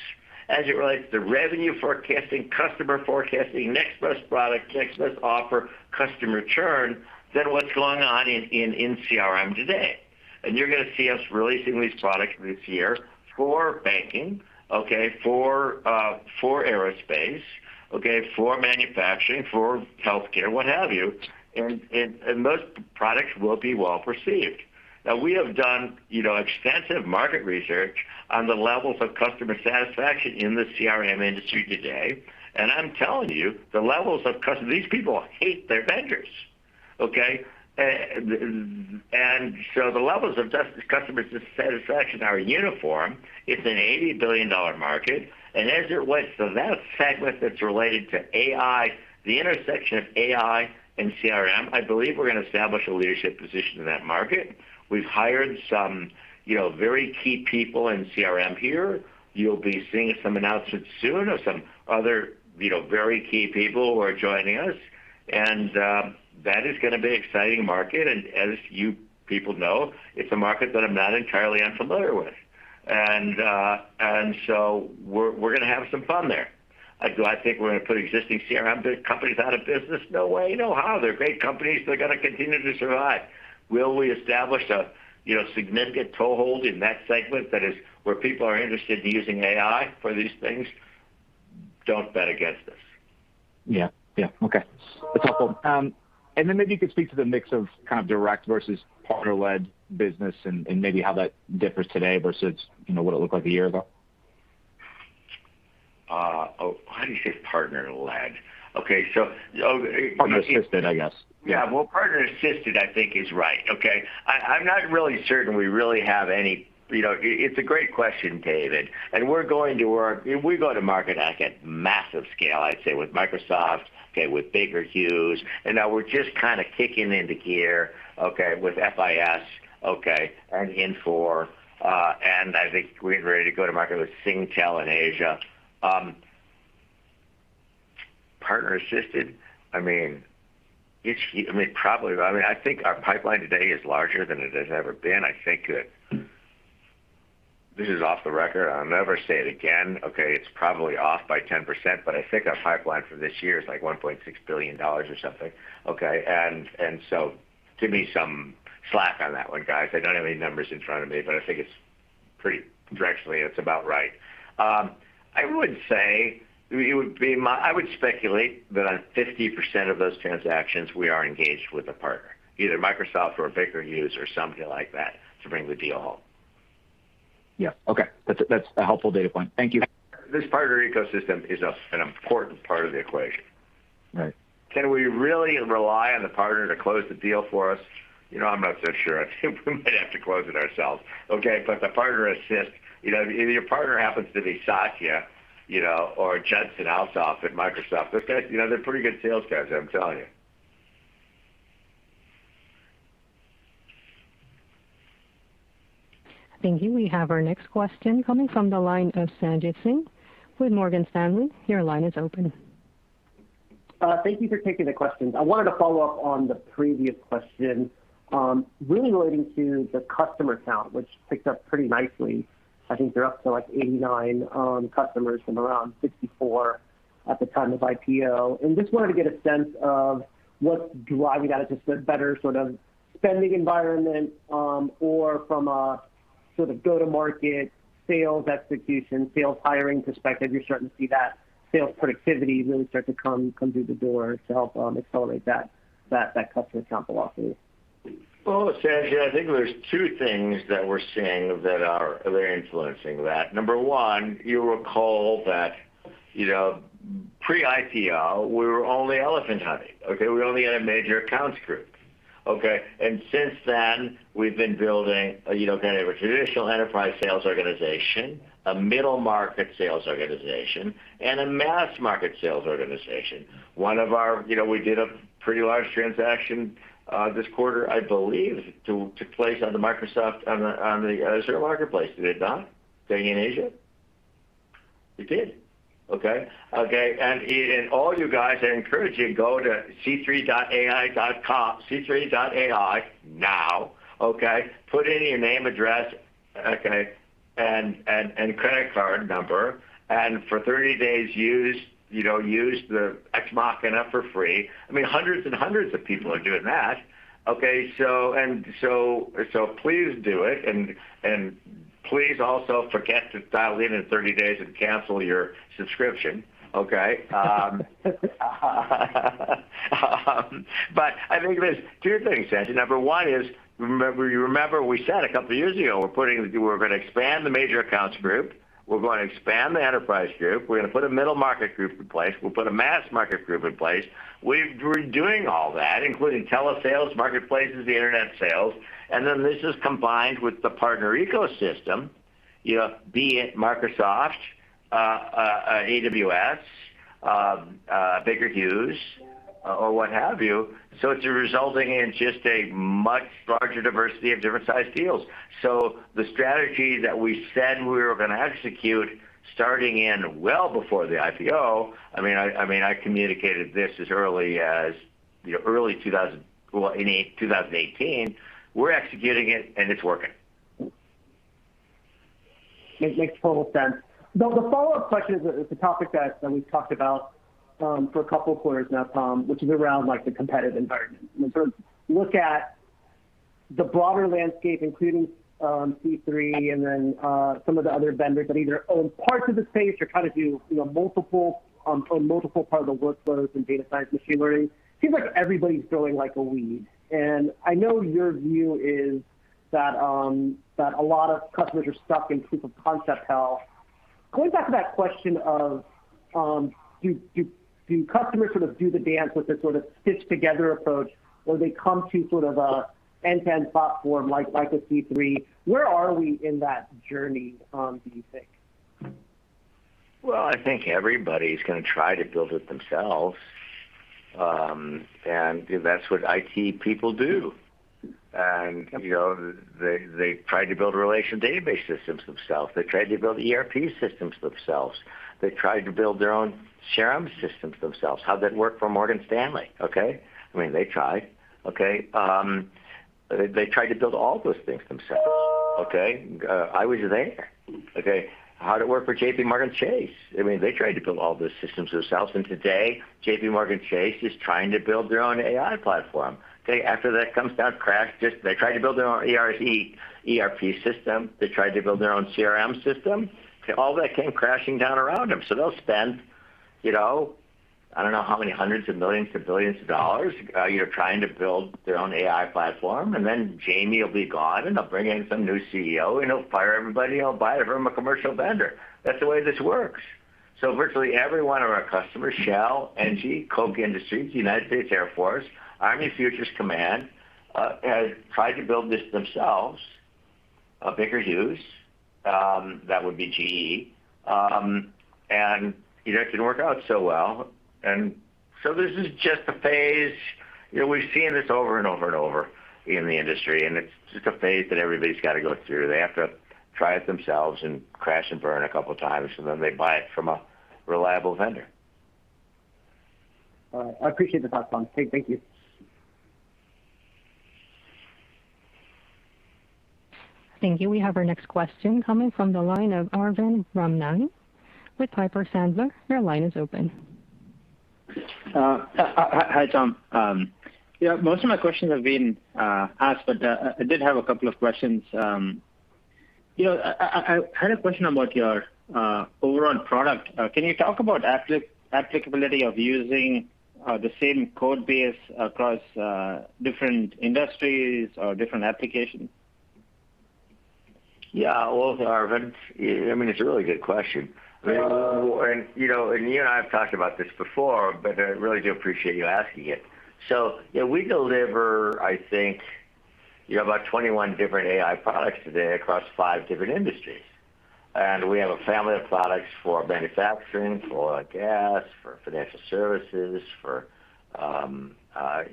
as it relates to revenue forecasting, customer forecasting, next best product, next best offer, customer churn, than what's going on in CRM today. You're going to see us releasing these products this year for banking, for aerospace, for manufacturing, for healthcare, what have you, and most products will be well received. We have done extensive market research on the levels of customer satisfaction in the CRM industry today, and I'm telling you, these people hate their vendors. The levels of customer dissatisfaction are uniform. It's an $80 billion market. As it relates to that segment that's related to AI, the intersection of AI and CRM, I believe we're going to establish a leadership position in that market. We've hired some very key people in CRM here. You'll be seeing some announcements soon of some other very key people who are joining us, and that is going to be an exciting market. As you people know, it's a market that I'm not entirely unfamiliar with. So we're going to have some fun there. Do I think we're going to put existing CRM companies out of business? No way, no how. They're great companies. They're going to continue to survive. Will we establish a significant toehold in that segment where people are interested in using AI for these things? Don't bet against us. Yeah. Okay. That's helpful. Maybe you could speak to the mix of direct versus partner-led business and maybe how that differs today versus what it looked like a year ago. How do you say partner-led? Okay. Partner-assisted, I guess. Well, partner-assisted, I think is right. It's a great question, David, if we go to market, at massive scale, I'd say with Microsoft, with Baker Hughes, and now we're just kicking into gear with FIS and Infor, and I think we're ready to go to market with Singtel in Asia. Partner-assisted. I think our pipeline today is larger than it has ever been. This is off the record. I'll never say it again. It's probably off by 10%, I think our pipeline for this year is $1.6 billion or something. Give me some slack on that one, guys. I don't have any numbers in front of me, I think pretty directionally, it's about right. I would speculate that on 50% of those transactions, we are engaged with a partner, either Microsoft or Baker Hughes or somebody like that to bring the deal home. Yeah. Okay. That's a helpful data point. Thank you. This partner ecosystem is an important part of the equation. Right. Can we really rely on the partner to close the deal for us? I'm not so sure. We might have to close it ourselves. Okay, the partner assist, if your partner happens to be Satya or Judson Althoff at Microsoft, they're pretty good sales guys, I'm telling you. Thank you. We have our next question coming from the line of Sanjit Singh with Morgan Stanley. Your line is open. Thank you for taking the question. I wanted to follow up on the previous question, really relating to the customer count, which picked up pretty nicely. I think you're up to 89 customers from around 54 at the time of IPO. Just wanted to get a sense of what's driving that. Is this a better sort of spending environment, or from a sort of go-to-market sales execution, sales hiring perspective, you're starting to see that sales productivity really start to come through the door to help on the call with that customer count buildup? Well, Sanjit, I think there's two things that we're seeing that are really influencing that. Number one, you'll recall that pre-IPO, we were only elephant hunting. Okay? We only had a major accounts group. Okay? Since then, we've been building a kind of a traditional enterprise sales organization, a middle market sales organization, and a mass market sales organization. We did a pretty large transaction this quarter, I believe, took place on the Azure marketplace. Did it not? Thing in Asia? We did. Okay. All you guys, I encourage you, go to c3.ai now. Okay? Put in your name, address, okay, and credit card number, and for 30 days use the C3.ai Ex Machina for free. Hundreds and hundreds of people are doing that. Okay, please do it, and please also forget to dial in in 30 days and cancel your subscription. Okay? There's two things, Sanjit. Number one is, you remember we said a couple of years ago, we're going to expand the major accounts group. We're going to expand the enterprise group. We're going to put a middle market group in place. We'll put a mass market group in place. We're doing all that, including telesales, marketplaces, the internet sales. This is combined with the partner ecosystem be it Microsoft, AWS, Baker Hughes, or what have you. It's resulting in just a much larger diversity of different sized deals. The strategy that we said we were going to execute starting in well before the IPO, I mean, I communicated this as early as 2018. We're executing it, and it's working. It makes total sense. The follow-up question is a topic that we've talked about for a couple of quarters now, which is around the competitive environment. When you look at the broader landscape, including C3.ai and then some of the other vendors that either own parts of the space or try to do multiple parts of the workloads and data science, machine learning, it seems like everybody's building like a weed. I know your view is that a lot of customers are stuck in proof of concept hell. Going back to that question of, do customers sort of do the dance with a sort of stitch together approach, or they come to sort of an end-to-end platform like a C3? Where are we in that journey, do you think? I think everybody's going to try to build it themselves, that's what IT people do. They tried to build relational database systems themselves. They tried to build ERP systems themselves. They tried to build their own CRM systems themselves. How'd that work for Morgan Stanley, okay? I mean, they tried. Okay? They tried to build all those things themselves. Okay? I would think. Okay. How'd it work for JPMorgan Chase? I mean, they tried to build all those systems themselves, today, JPMorgan Chase is trying to build their own AI platform. Okay? After that comes down, crash. They tried to build their own ERP system. They tried to build their own CRM system. All that came crashing down around them. They'll spend, I don't know how many hundreds of millions or billions of dollars, trying to build their own AI platform, and then Jamie will be gone, and they'll bring in some new CEO, and he'll fire everybody. He'll buy it from a commercial vendor. That's the way this works. Virtually every one of our customers, Shell, ENGIE, Koch Industries, U.S. Air Force, Army Futures Command, tried to build this themselves. Baker Hughes, that would be GE. It didn't work out so well. This is just a phase. We've seen this over and over and over in the industry, and it's just a phase that everybody's got to go through. They have to try it themselves and crash and burn a couple of times, and then they buy it from a reliable vendor. All right. I appreciate the thoughts, Tom. Thank you. Thank you. We have our next question coming from the line of Arvind Ramnani with Piper Sandler. Your line is open. Hi, Tom. Most of my questions have been asked. I did have a couple of questions. I had a question about your overall product. Can you talk about applicability of using the same code base across different industries or different applications? Yeah. Well, Arvind, it's a really good question. You and I have talked about this before, but I really do appreciate you asking it. We deliver, about 21 different AI products today across five different industries. We have a family of products for manufacturing, for oil and gas, for financial services, for aerospace.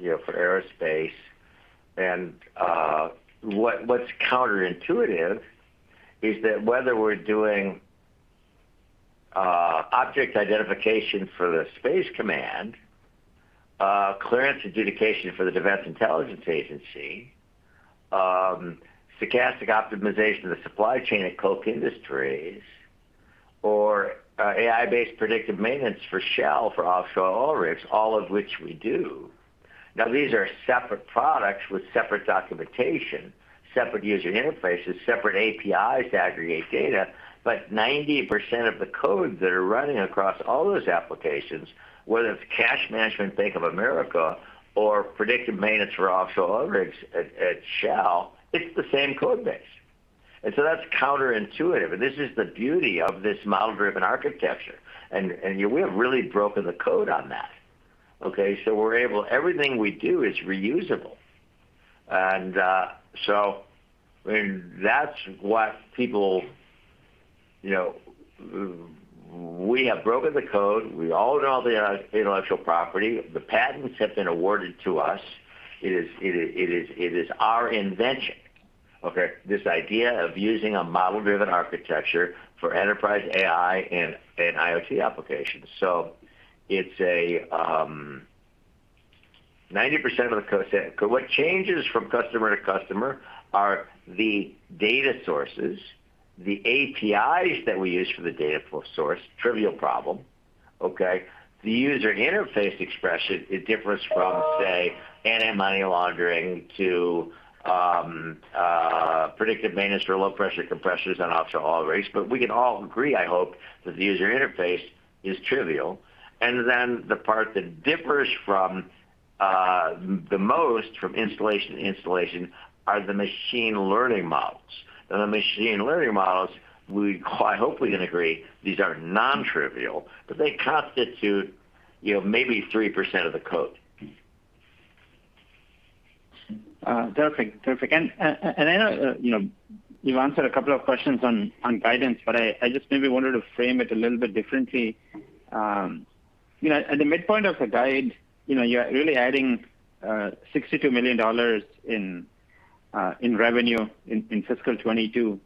What's counterintuitive is that whether we're doing object identification for the Space Command, clearance adjudication for the Defense Intelligence Agency, stochastic optimization of the supply chain at Koch Industries, or AI-based predictive maintenance for Shell for offshore oil rigs, all of which we do. Now, these are separate products with separate documentation, separate user interfaces, separate APIs to aggregate data, but 98% of the codes that are running across all those applications, whether it's cash management at Bank of America, or predictive maintenance for offshore oil rigs at Shell, it's the same code base. That's counterintuitive, and this is the beauty of this model-driven architecture, and we have really broken the code on that. Okay? Everything we do is reusable. We have broken the code. We own all the intellectual property. The patents have been awarded to us. It is our invention, okay? This idea of using a model-driven architecture for enterprise AI and IoT applications. It's 90% of the code set. What changes from customer to customer are the data sources, the APIs that we use for the data source, trivial problem, okay? The user interface expression, it differs from, say, anti-money laundering to predictive maintenance for low-pressure compressors on offshore oil rigs. We can all agree, I hope, that the user interface is trivial. The part that differs the most from installation to installation are the machine learning models. The machine learning models, we hopefully can agree, these are non-trivial, but they constitute maybe 3% of the code. Perfect. I know you answered a couple of questions on guidance, but I just maybe wanted to frame it a little bit differently. At the midpoint of the guide, you're really adding $62 million in revenue in fiscal 2022.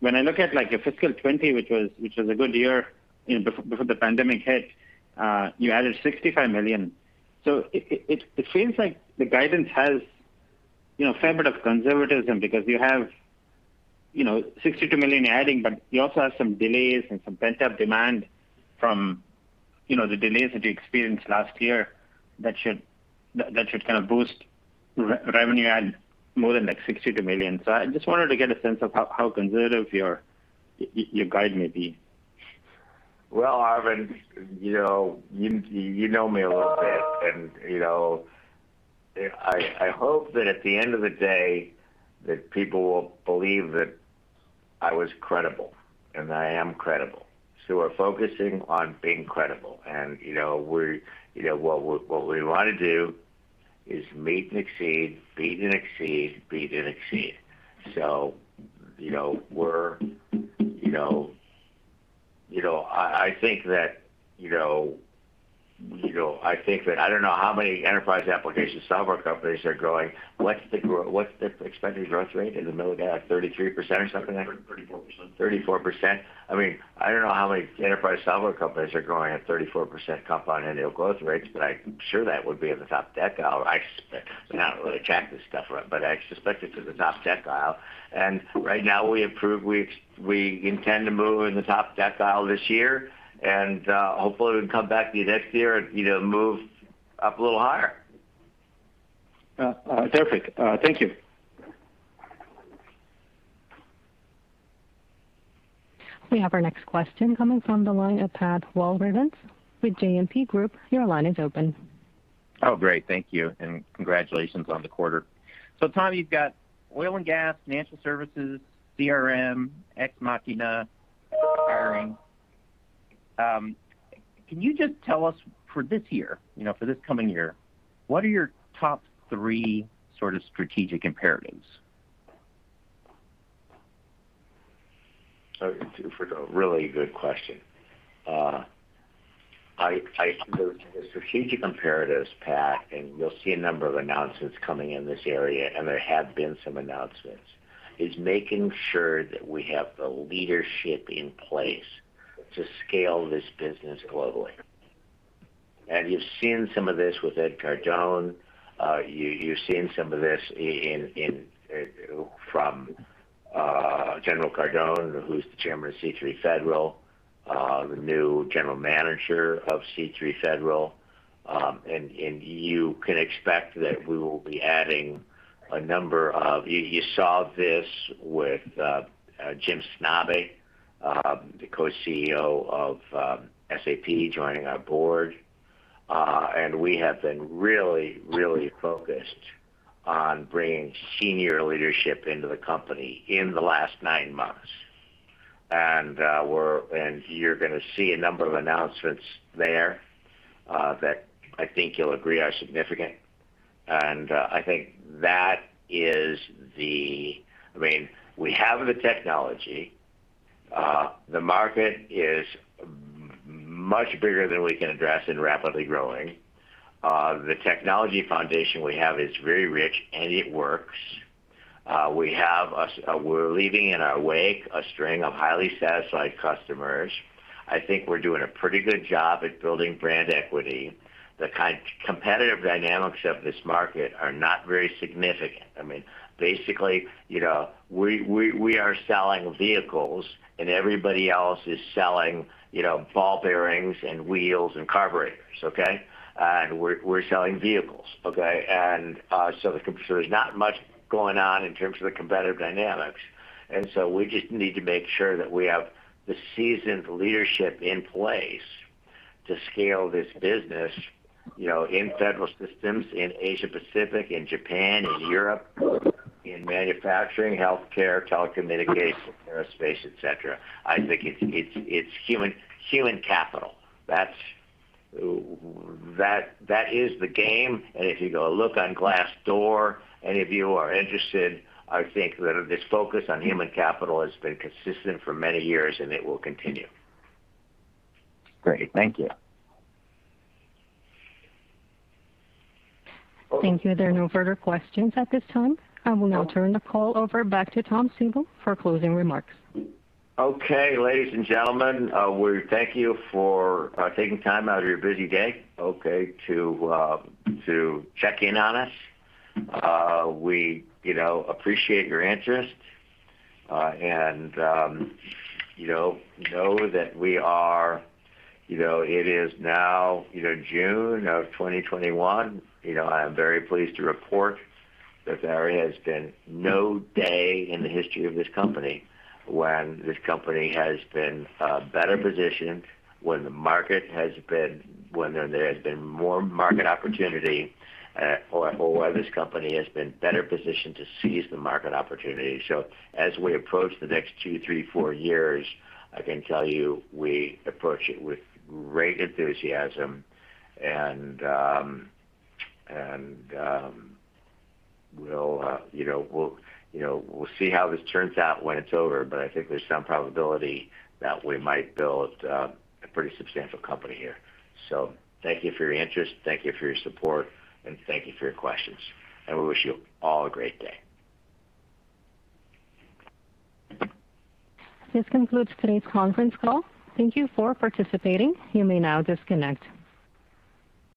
When I look at your fiscal 2020, which was a good year before the pandemic hit, you added $65 million. It seems like the guidance has a fair bit of conservatism because you have $62 million adding, but you also have some delays and some pent-up demand from the delays that you experienced last year that should kind of boost revenue more than $62 million. I just wanted to get a sense of how conservative your guidance may be. Well, Arvind Ramnani, you know me a little bit, and I hope that at the end of the day, that people will believe that I was credible, and I am credible. We're focusing on being credible. What we want to do is meet and exceed, beat and exceed. I don't know how many enterprise application software companies are growing. What's the expected growth rate in the middle of the year, 33% or something like that? 34%. 34%. I don't know how many enterprise software companies are growing at 34% compound annual growth rates, but I'm sure that would be in the top decile. I do not really track this stuff, but I suspect it's in the top decile. Right now, we intend to move in the top decile this year, and hopefully we can come back to you next year and move up a little higher. Perfect. Thank you. We have our next question coming from the line of Pat Walravens with JMP Group. Your line is open. Oh, great. Thank you, and congratulations on the quarter. Tom, you've got oil and gas, financial services, CRM, Ex Machina pairing. Can you just tell us for this coming year, what are your top three strategic imperatives? It's a really good question. The strategic imperatives, Pat, you'll see a number of announcements coming in this area, and there have been some announcements, is making sure that we have the leadership in place to scale this business globally. You've seen some of this with Ed Cardon. You've seen some of this from General Cardon, who's the chairman of C3.ai Federal, the new general manager of C3.ai Federal. You can expect that we will be adding a number of You saw this with Jim Snabe, the co-CEO of SAP, joining our board. We have been really focused on bringing senior leadership into the company in the last nine months. You're going to see a number of announcements there that I think you'll agree are significant. We have the technology. The market is much bigger than we can address and rapidly growing. The technology foundation we have is very rich, and it works. We're leaving in our wake a string of highly satisfied customers. I think we're doing a pretty good job at building brand equity. The competitive dynamics of this market are not very significant. Basically, we are selling vehicles, and everybody else is selling ball bearings and wheels and carburetors. Okay. We're selling vehicles. Okay. There's not much going on in terms of the competitive dynamics. We just need to make sure that we have the seasoned leadership in place to scale this business in C3.ai Federal, in Asia Pacific, in Japan, in Europe, in manufacturing, healthcare, telecommunications, aerospace, et cetera. It's human capital. That is the game. If you go look on Glassdoor, any of you who are interested, I think that this focus on human capital has been consistent for many years, and it will continue. Great. Thank you. Thank you. There are no further questions at this time. I will now turn the call over back to Tom Siebel for closing remarks. Okay, ladies and gentlemen, we thank you for taking time out of your busy day to check in on us. We appreciate your interest. We know that it is now June of 2021. I'm very pleased to report that there has been no day in the history of this company when this company has been better positioned, when there has been more market opportunity, or when this company has been better positioned to seize the market opportunity. As we approach the next two, three, four years, I can tell you we approach it with great enthusiasm. We'll see how this turns out when it's over. I think there's some probability that we might build a pretty substantial company here. Thank you for your interest, thank you for your support. Thank you for your questions. We wish you all a great day. This concludes today's conference call. Thank you for participating. You may now disconnect.